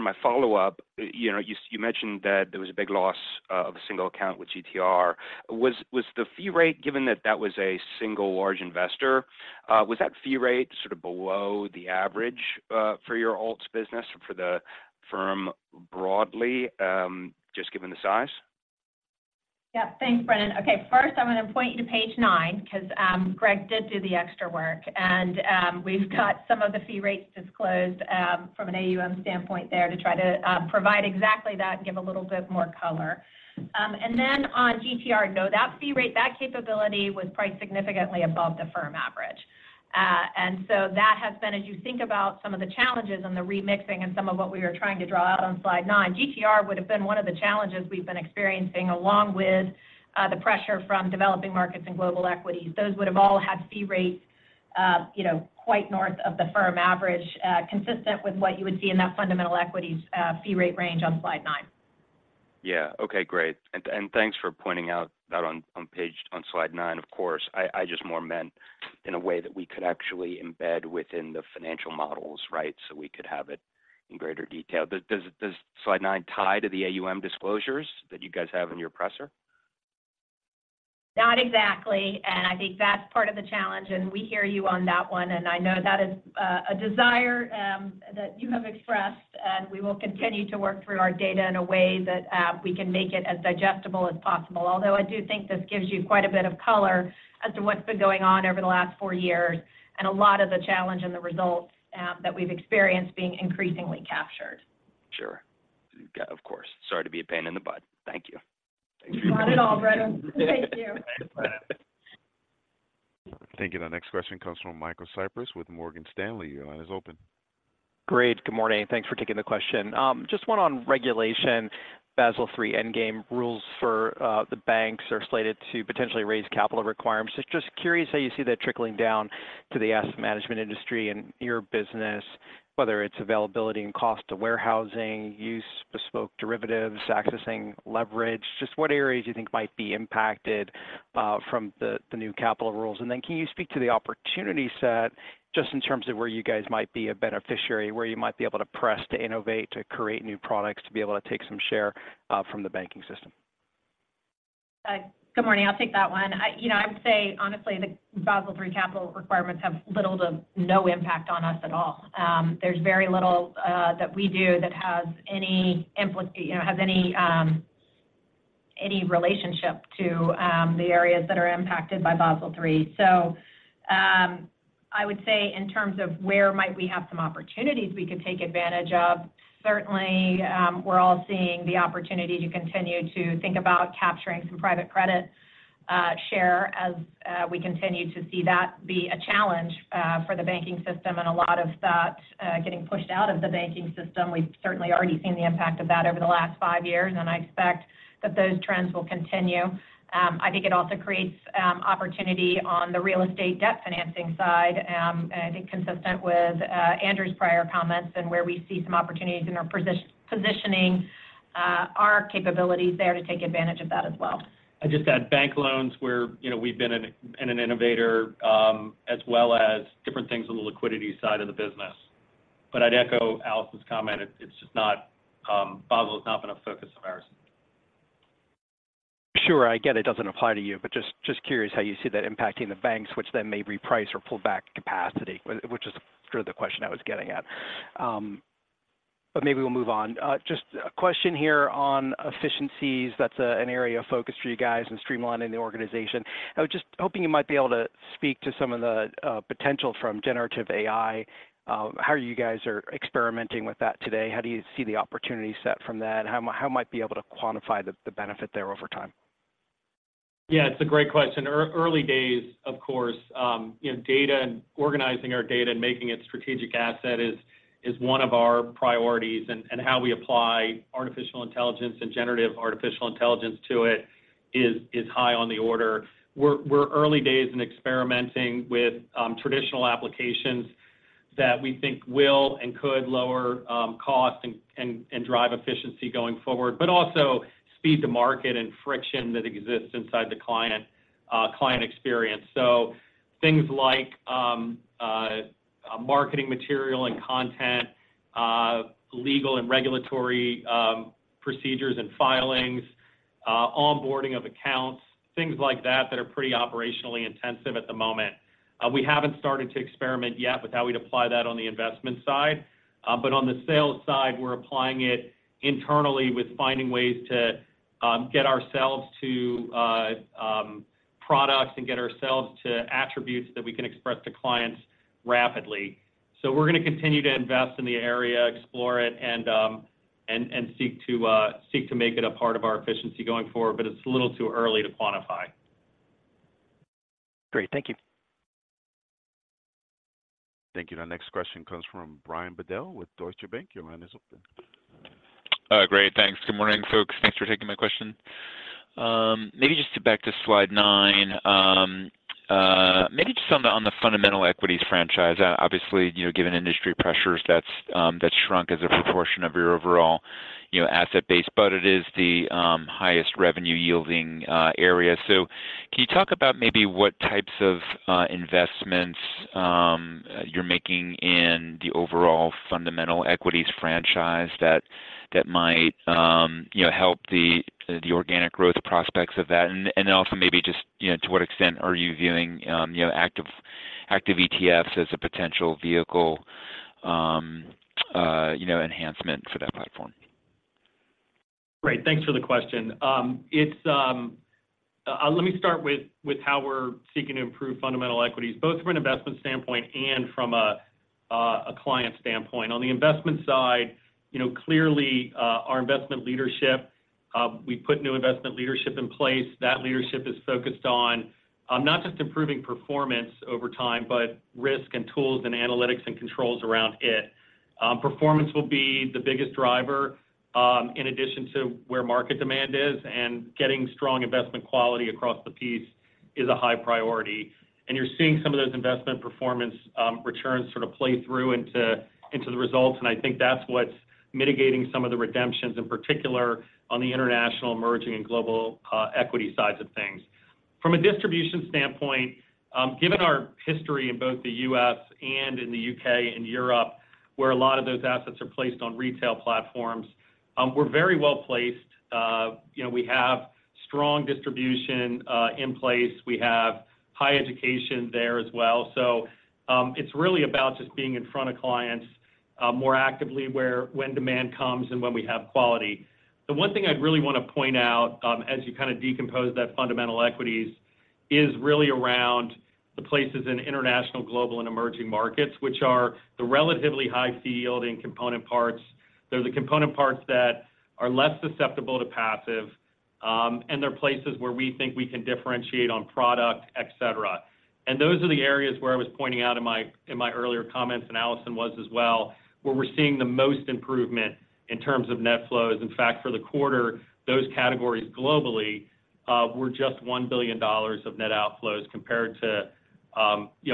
my follow-up, you know, you mentioned that there was a big loss of a single account with GTR. Was the fee rate, given that that was a single large investor, was that fee rate sort of below the average for your alts business or for the firm broadly, just given the size? Yeah. Thanks, Brennan. Okay, first, I'm gonna point you to page nine, because, Greg did do the extra work, and, we've got some of the fee rates disclosed, from an AUM standpoint there to try to, provide exactly that and give a little bit more color. And then on GTR, no, that fee rate, that capability was priced significantly above the firm average. And so that has been, as you think about some of the challenges and the remixing and some of what we are trying to draw out on slide nine, GTR would have been one of the challenges we've been experiencing, along with, the pressure from developing markets and global equities. Those would have all had fee rates, you know, quite north of the firm average, consistent with what you would see in that fundamental equities, fee rate range on slide nine. Yeah. Okay, great. Thanks for pointing out that on page, on slide nine, of course. I just more meant in a way that we could actually embed within the financial models, right? So we could have it in greater detail. Does slide nine tie to the AUM disclosures that you guys have in your presser? Not exactly, and I think that's part of the challenge, and we hear you on that one, and I know that is a desire that you have expressed, and we will continue to work through our data in a way that we can make it as digestible as possible. Although, I do think this gives you quite a bit of color as to what's been going on over the last four years, and a lot of the challenge and the results that we've experienced being increasingly captured. Sure. Yeah, of course. Sorry to be a pain in the butt. Thank you. Not at all, Brennan. Thank you. Thank you. Our next question comes from Michael Cyprys with Morgan Stanley. Your line is open. Great. Good morning. Thanks for taking the question. Just one on regulation. Basel III endgame rules for the banks are slated to potentially raise capital requirements. So just curious how you see that trickling down to the asset management industry and your business, whether it's availability and cost to warehousing, use bespoke derivatives, accessing leverage. Just what areas you think might be impacted from the new capital rules? And then can you speak to the opportunity set just in terms of where you guys might be a beneficiary, where you might be able to press to innovate, to create new products, to be able to take some share from the banking system? Good morning. I'll take that one. I, you know, I would say, honestly, the Basel III capital requirements have little to no impact on us at all. There's very little that we do that has any relationship to the areas that are impacted by Basel III. So, I would say in terms of where might we have some opportunities we could take advantage of, certainly, we're all seeing the opportunity to continue to think about capturing some private credit share as we continue to see that be a challenge for the banking system, and a lot of that getting pushed out of the banking system. We've certainly already seen the impact of that over the last five years, and I expect that those trends will continue. I think it also creates opportunity on the real estate debt financing side. And I think consistent with Andrew's prior comments and where we see some opportunities in our positioning, our capabilities there to take advantage of that as well. I'd just add bank loans where, you know, we've been an innovator, as well as different things on the liquidity side of the business. But I'd echo Allison's comment. It, it's just not, Basel is not been a focus of ours. Sure, I get it doesn't apply to you, but just curious how you see that impacting the banks, which then may reprice or pull back capacity, which is sort of the question I was getting at. But maybe we'll move on. Just a question here on efficiencies. That's an area of focus for you guys and streamlining the organization. I was just hoping you might be able to speak to some of the potential from generative AI, how you guys are experimenting with that today? How do you see the opportunity set from that? How might be able to quantify the benefit there over time? Yeah, it's a great question. Early days, of course, you know, data and organizing our data and making it strategic asset is one of our priorities, and how we apply artificial intelligence and generative artificial intelligence to it is high on the order. We're early days in experimenting with traditional applications that we think will and could lower cost and drive efficiency going forward, but also speed to market and friction that exists inside the client experience. So things like marketing material and content, legal and regulatory procedures and filings, onboarding of accounts, things like that, that are pretty operationally intensive at the moment. We haven't started to experiment yet with how we'd apply that on the investment side. But on the sales side, we're applying it internally with finding ways to get ourselves to products and get ourselves to attributes that we can express to clients rapidly. So we're going to continue to invest in the area, explore it, and seek to make it a part of our efficiency going forward, but it's a little too early to quantify. Great. Thank you. Thank you. Our next question comes from Brian Bedell with Deutsche Bank. Your line is open. Great, thanks. Good morning, folks. Thanks for taking my question. Maybe just to back to slide nine, maybe just on the, on the fundamental equities franchise. Obviously, you know, given industry pressures, that's shrunk as a proportion of your overall, you know, asset base, but it is the highest revenue-yielding area. So can you talk about maybe what types of investments you're making in the overall fundamental equities franchise that might, you know, help the organic growth prospects of that? And then also maybe just, you know, to what extent are you viewing, you know, active ETFs as a potential vehicle, you know, enhancement for that platform? Great, thanks for the question. Let me start with how we're seeking to improve fundamental equities, both from an investment standpoint and from a client standpoint. On the investment side, you know, clearly, our investment leadership, we put new investment leadership in place. That leadership is focused on not just improving performance over time, but risk and tools and analytics and controls around it. Performance will be the biggest driver, in addition to where market demand is, and getting strong investment quality across the piece is a high priority. And you're seeing some of those investment performance returns sort of play through into the results, and I think that's what's mitigating some of the redemptions, in particular, on the international, emerging, and global equity sides of things. From a distribution standpoint, given our history in both the U.S. and in the U.K. and Europe, where a lot of those assets are placed on retail platforms, we're very well-placed. You know, we have strong distribution in place. We have high education there as well. So, it's really about just being in front of clients more actively where when demand comes and when we have quality. The one thing I'd really want to point out, as you kind of decompose that fundamental equities, is really around the places in international, global, and emerging markets, which are the relatively high-yielding component parts. They're the component parts that are less susceptible to passive, and they're places where we think we can differentiate on product, et cetera. Those are the areas where I was pointing out in my earlier comments, and Allison was as well, where we're seeing the most improvement in terms of net flows. In fact, for the quarter, those categories globally were just $1 billion of net outflows, compared to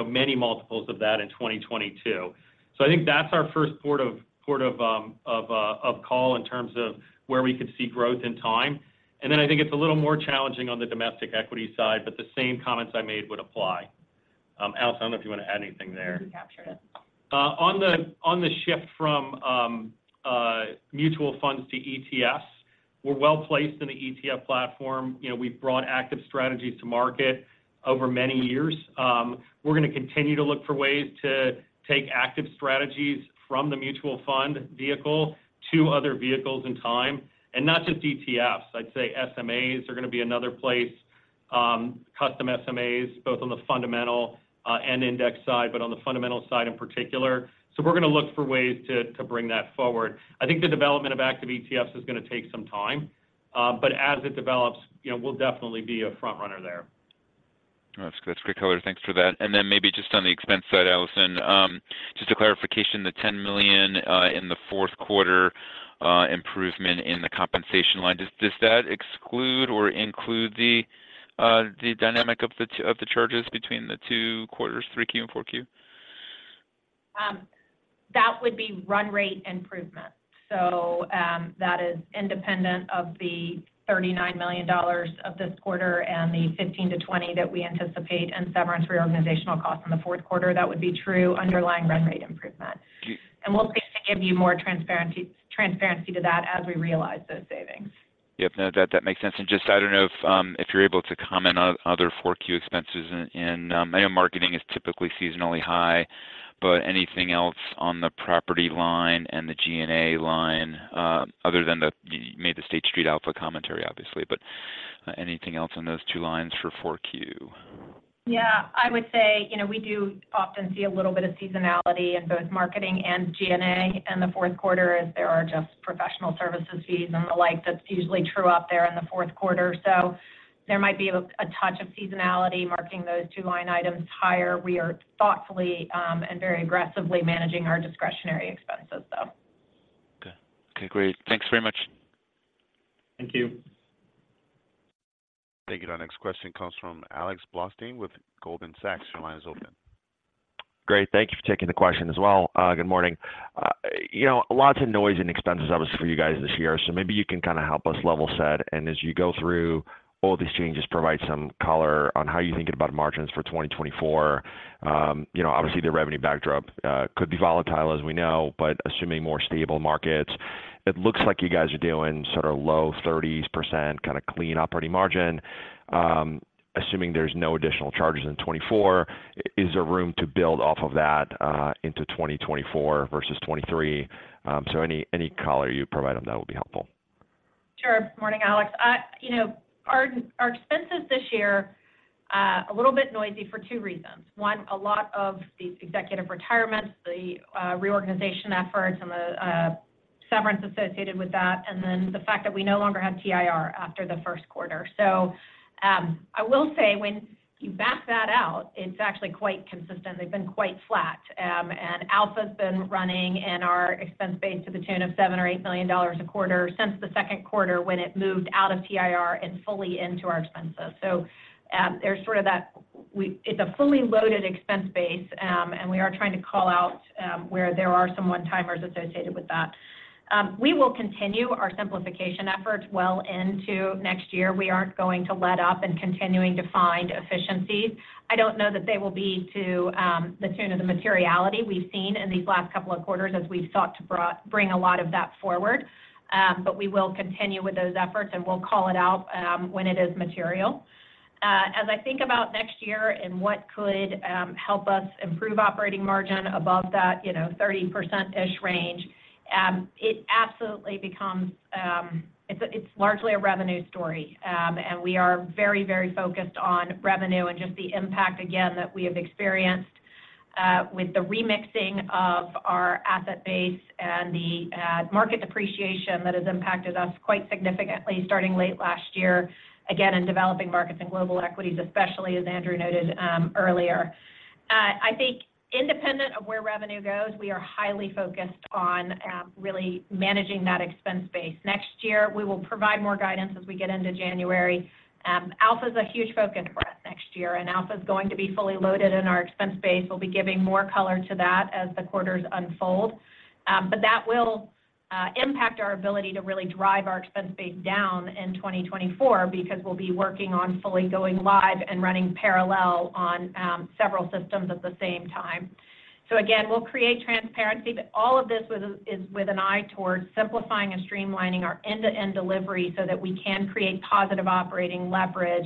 many multiples of that in 2022. So I think that's our first port of call in terms of where we could see growth in time. And then I think it's a little more challenging on the domestic equity side, but the same comments I made would apply. Allison, I don't know if you want to add anything there. You captured it. On the shift from mutual funds to ETFs, we're well-placed in the ETF platform. You know, we've brought active strategies to market over many years. We're going to continue to look for ways to take active strategies from the mutual fund vehicle to other vehicles in time, and not just ETFs. I'd say SMAs are going to be another place, custom SMAs, both on the fundamental and index side, but on the fundamental side in particular. So we're going to look for ways to bring that forward. I think the development of active ETFs is going to take some time, but as it develops, you know, we'll definitely be a front runner there. That's great color. Thanks for that. Then maybe just on the expense side, Allison, just a clarification, the $10 million in the Q4 improvement in the compensation line, does that exclude or include the dynamic of the charges between the two quarters, 3Q and 4Q? That would be run rate improvement. So, that is independent of the $39 million of this quarter and the $15 million-$20 million that we anticipate in severance reorganizational costs in the Q4. That would be true underlying run rate improvement. We'll seek to give you more transparency to that as we realize those savings. Yep. No, that makes sense. Just, I don't know if you're able to comment on other 4Q expenses in... I know marketing is typically seasonally high, but anything else on the property line and the G&A line, other than the, you made the State Street Alpha commentary, obviously, but anything else on those two lines for 4Q? Yeah, I would say, you know, we do often see a little bit of seasonality in both marketing and G&A in the Q4, as there are just professional services fees and the like. That's usually true out there in the Q4. So there might be a touch of seasonality marking those two line items higher. We are thoughtfully and very aggressively managing our discretionary expenses, though. Okay. Okay, great. Thanks very much. Thank you. Thank you. Our next question comes from Alex Blostein with Goldman Sachs. Your line is open. Great. Thank you for taking the question as well. Good morning. You know, lots of noise and expenses, obviously for you guys this year, so maybe you can kind of help us level set. As you go through all these changes, provide some color on how you're thinking about margins for 2024. You know, obviously, the revenue backdrop could be volatile, as we know, but assuming more stable markets, it looks like you guys are doing sort of low 30s%, kind of clean operating margin. Assuming there's no additional charges in 2024, is there room to build off of that into 2024 versus 2023? So any color you'd provide on that would be helpful. Sure. Morning, Alex. You know, our expenses this year are a little bit noisy for two reasons. One, a lot of the executive retirements, the reorganization efforts, and the severance associated with that, and then the fact that we no longer have TIR after the Q1. So, I will say when you back that out, it's actually quite consistent. They've been quite flat. And Alpha's been running in our expense base to the tune of $7 million or $8 million a quarter since the Q2, when it moved out of TIR and fully into our expenses. So, there's sort of that. It's a fully loaded expense base, and we are trying to call out where there are some one-timers associated with that. We will continue our simplification efforts well into next year. We aren't going to let up in continuing to find efficiencies. I don't know that they will be to the tune of the materiality we've seen in these last couple of quarters as we've sought to bring a lot of that forward. But we will continue with those efforts, and we'll call it out when it is material. As I think about next year and what could help us improve operating margin above that, you know, 30%-ish range, it absolutely becomes... It's, it's largely a revenue story. And we are very, very focused on revenue and just the impact, again, that we have experienced with the remixing of our asset base and the market depreciation that has impacted us quite significantly starting late last year, again, in developing markets and global equities, especially as Andrew noted earlier. I think independent of where revenue goes, we are highly focused on really managing that expense base. Next year, we will provide more guidance as we get into January. Alpha's a huge focus for us next year, and Alpha's going to be fully loaded in our expense base. We'll be giving more color to that as the quarters unfold. But that will impact our ability to really drive our expense base down in 2024 because we'll be working on fully going live and running parallel on several systems at the same time. So again, we'll create transparency, but all of this is with an eye towards simplifying and streamlining our end-to-end delivery so that we can create positive operating leverage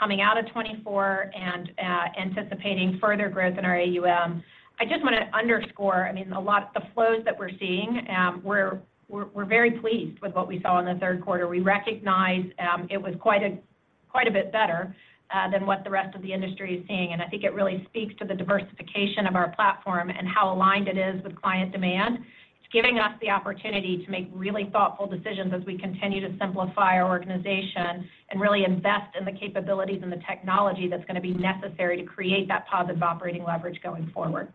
coming out of 2024 and anticipating further growth in our AUM. I just want to underscore, I mean, a lot—the flows that we're seeing, we're very pleased with what we saw in the Q3. We recognize, it was quite a bit better than what the rest of the industry is seeing, and I think it really speaks to the diversification of our platform and how aligned it is with client demand. It's giving us the opportunity to make really thoughtful decisions as we continue to simplify our organization and really invest in the capabilities and the technology that's going to be necessary to create that positive operating leverage going forward.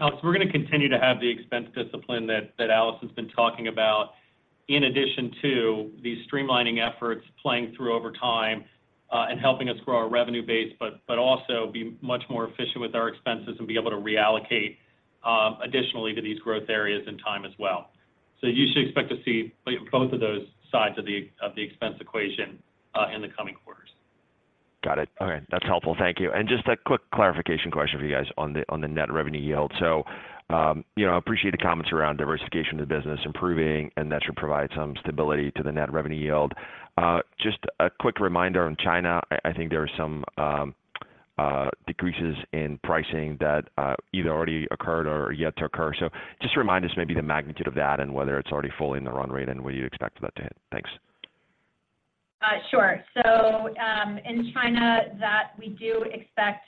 Alex, we're going to continue to have the expense discipline that Allison's been talking about, in addition to these streamlining efforts playing through over time, and helping us grow our revenue base, but also be much more efficient with our expenses and be able to reallocate additionally to these growth areas in time as well. So you should expect to see both of those sides of the expense equation in the coming quarters. Got it. All right. That's helpful. Thank you. And just a quick clarification question for you guys on the net revenue yield. So, you know, I appreciate the comments around diversification of the business improving, and that should provide some stability to the net revenue yield. Just a quick reminder on China, I think there are some decreases in pricing that either already occurred or are yet to occur. So just remind us maybe the magnitude of that and whether it's already fully in the run rate and when you expect that to hit. Thanks. Sure. So, in China that we do expect,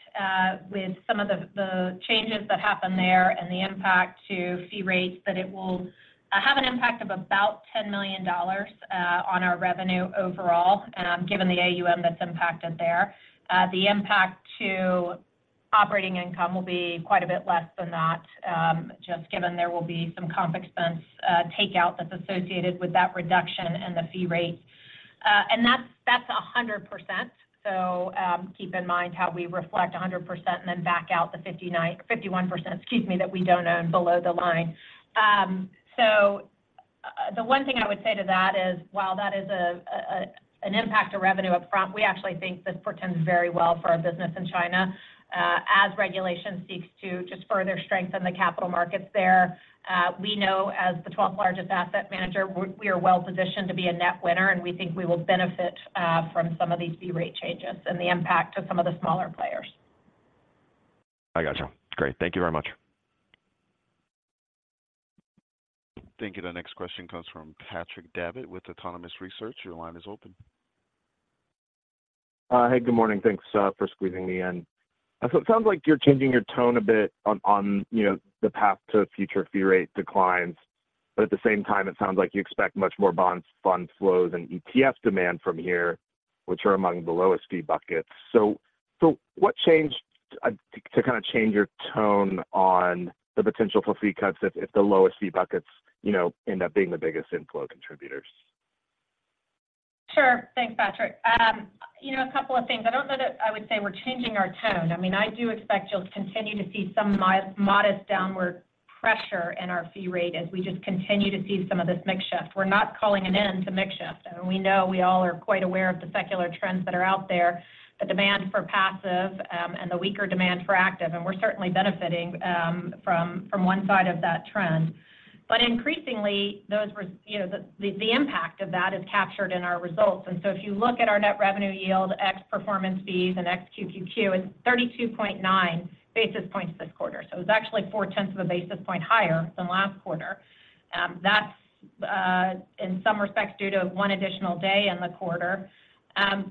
with some of the, the changes that happen there and the impact to fee rates, that it will, have an impact of about $10 million, on our revenue overall, given the AUM that's impacted there. The impact to operating income will be quite a bit less than that, just given there will be some comp expense, takeout that's associated with that reduction and the fee rate. And that's, that's 100%. So, keep in mind how we reflect 100% and then back out the 51%, excuse me, that we don't own below the line. So, the one thing I would say to that is, while that is an impact to revenue upfront, we actually think this portends very well for our business in China, as regulation seeks to just further strengthen the capital markets there. We know as the 12th largest asset manager, we are well positioned to be a net winner, and we think we will benefit from some of these fee rate changes and the impact to some of the smaller players. I gotcha. Great, thank you very much. Thank you. The next question comes from Patrick Davitt with Autonomous Research. Your line is open. Hey, good morning. Thanks for squeezing me in. So it sounds like you're changing your tone a bit on, on, you know, the path to future fee rate declines. But at the same time, it sounds like you expect much more bonds, fund flows, and ETF demand from here, which are among the lowest fee buckets. So, so what changed, to, to kind of change your tone on the potential for fee cuts if, if the lowest fee buckets, you know, end up being the biggest inflow contributors? Sure. Thanks, Patrick. You know, a couple of things. I don't know that I would say we're changing our tone. I mean, I do expect you'll continue to see some modest downward pressure in our fee rate as we just continue to see some of this mix shift. We're not calling an end to mix shift, and we know we all are quite aware of the secular trends that are out there, the demand for passive, and the weaker demand for active, and we're certainly benefiting from one side of that trend. But increasingly, those, you know, the impact of that is captured in our results. And so if you look at our net revenue yield, ex performance fees and ex QQQ, it's 32.9 basis points this quarter. So it was actually 0.4 basis point higher than last quarter. That's in some respects due to one additional day in the quarter.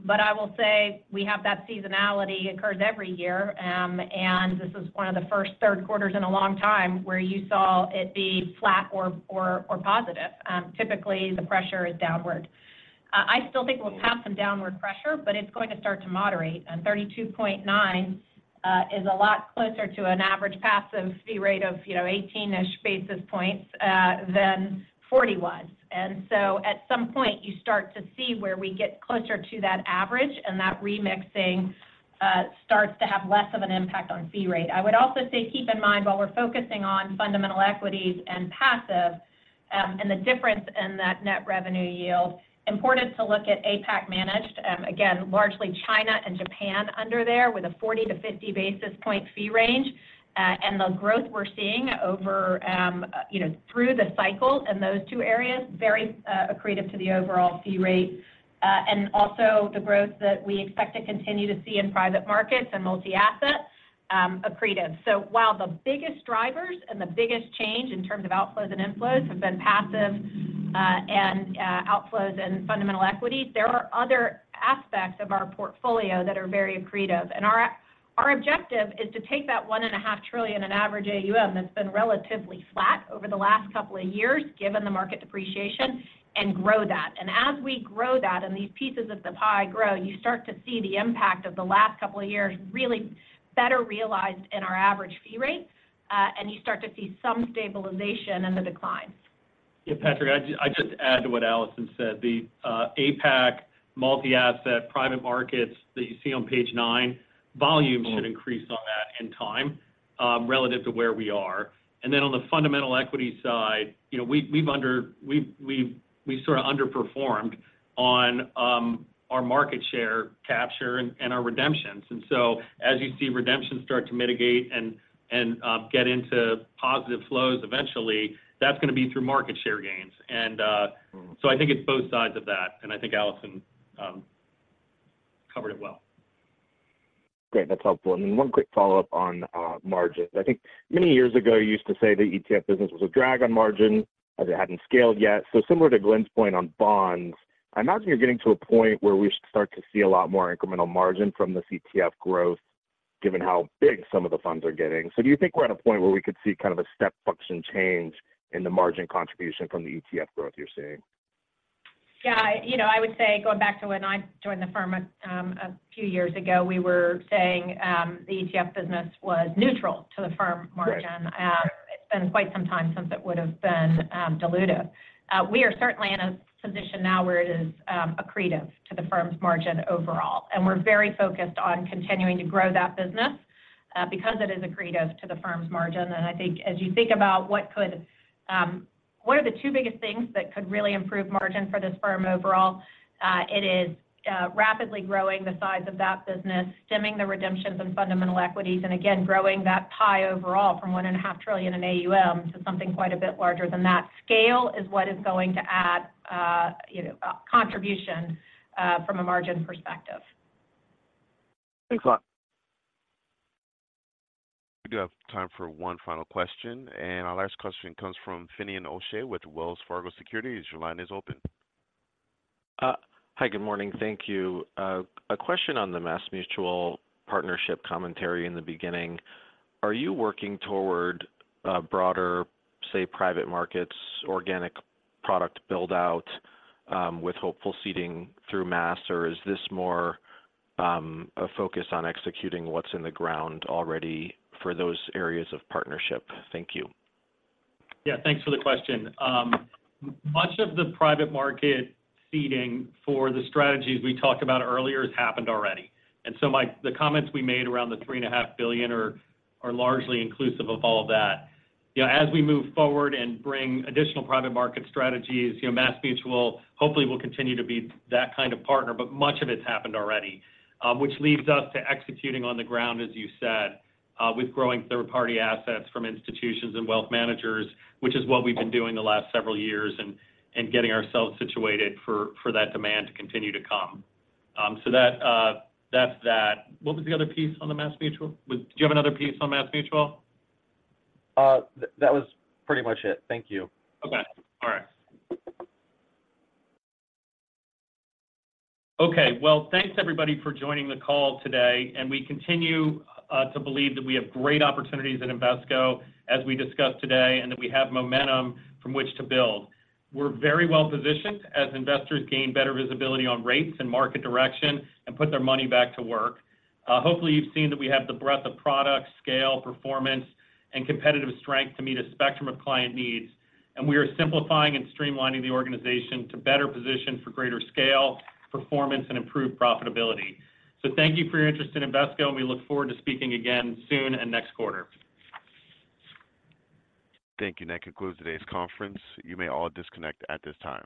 But I will say we have that seasonality occurs every year, and this is one of the first Q3s in a long time where you saw it be flat or positive. Typically, the pressure is downward. I still think we'll have some downward pressure, but it's going to start to moderate. And 32.9 is a lot closer to an average passive fee rate of, you know, 18-ish basis points than 41. And so at some point, you start to see where we get closer to that average, and that remixing starts to have less of an impact on fee rate. I would also say, keep in mind, while we're focusing on fundamental equities and passive, and the difference in that net revenue yield, important to look at APAC managed, again, largely China and Japan under there, with a 40-50 basis point fee range. And the growth we're seeing over, you know, through the cycle in those two areas, very accretive to the overall fee rate. And also the growth that we expect to continue to see in private markets and multi-asset, accretive. So while the biggest drivers and the biggest change in terms of outflows and inflows have been passive, and outflows and fundamental equities, there are other aspects of our portfolio that are very accretive. Our objective is to take that $1.5 trillion in average AUM that's been relatively flat over the last couple of years, given the market depreciation, and grow that. As we grow that and these pieces of the pie grow, you start to see the impact of the last couple of years really better realized in our average fee rate, and you start to see some stabilization in the declines. Yeah, Patrick, I'd just add to what Allison said. The APAC multi-asset private markets that you see on page nine, volumes should increase on that in time, relative to where we are. And then on the fundamental equity side, you know, we've sort of underperformed on our market share capture and our redemptions. And so as you see redemptions start to mitigate and get into positive flows eventually, that's gonna be through market share gains. And, uh, so I think it's both sides of that, and I think Allison covered it well. Great, that's helpful. And then one quick follow-up on, margins. I think many years ago, you used to say the ETF business was a drag on margin as it hadn't scaled yet. So similar to Glenn's point on bonds, I imagine you're getting to a point where we should start to see a lot more incremental margin from this ETF growth, given how big some of the funds are getting. So do you think we're at a point where we could see kind of a step function change in the margin contribution from the ETF growth you're seeing? Yeah, you know, I would say, going back to when I joined the firm a, a few years ago, we were saying, the ETF business was neutral to the firm margin. Right. It's been quite some time since it would have been dilutive. We are certainly in a position now where it is accretive to the firm's margin overall, and we're very focused on continuing to grow that business because it is accretive to the firm's margin. And I think as you think about... What are the two biggest things that could really improve margin for this firm overall? It is rapidly growing the size of that business, stemming the redemptions and fundamental equities, and again, growing that pie overall from $1.5 trillion in AUM to something quite a bit larger than that. Scale is what is going to add, you know, contribution from a margin perspective. Thanks a lot. We do have time for one final question, and our last question comes from Finian O'Shea with Wells Fargo Securities. Your line is open. Hi, good morning. Thank you. A question on the MassMutual partnership commentary in the beginning. Are you working toward a broader, say, private markets, organic product build-out, with hopeful seeding through Mass, or is this more a focus on executing what's in the ground already for those areas of partnership? Thank you. Yeah, thanks for the question. Much of the private market seeding for the strategies we talked about earlier has happened already, and so the comments we made around the $3.5 billion are largely inclusive of all of that. You know, as we move forward and bring additional private market strategies, you know, MassMutual hopefully will continue to be that kind of partner, but much of it's happened already. Which leads us to executing on the ground, as you said, with growing third-party assets from institutions and wealth managers, which is what we've been doing the last several years and getting ourselves situated for that demand to continue to come. So that's that. What was the other piece on the MassMutual? Did you have another piece on MassMutual? That was pretty much it. Thank you. Okay. All right. Okay, well, thanks, everybody, for joining the call today, and we continue to believe that we have great opportunities at Invesco, as we discussed today, and that we have momentum from which to build. We're very well positioned as investors gain better visibility on rates and market direction and put their money back to work. Hopefully, you've seen that we have the breadth of product, scale, performance, and competitive strength to meet a spectrum of client needs, and we are simplifying and streamlining the organization to better position for greater scale, performance, and improved profitability. So thank you for your interest in Invesco, and we look forward to speaking again soon and next quarter. Thank you. That concludes today's conference. You may all disconnect at this time.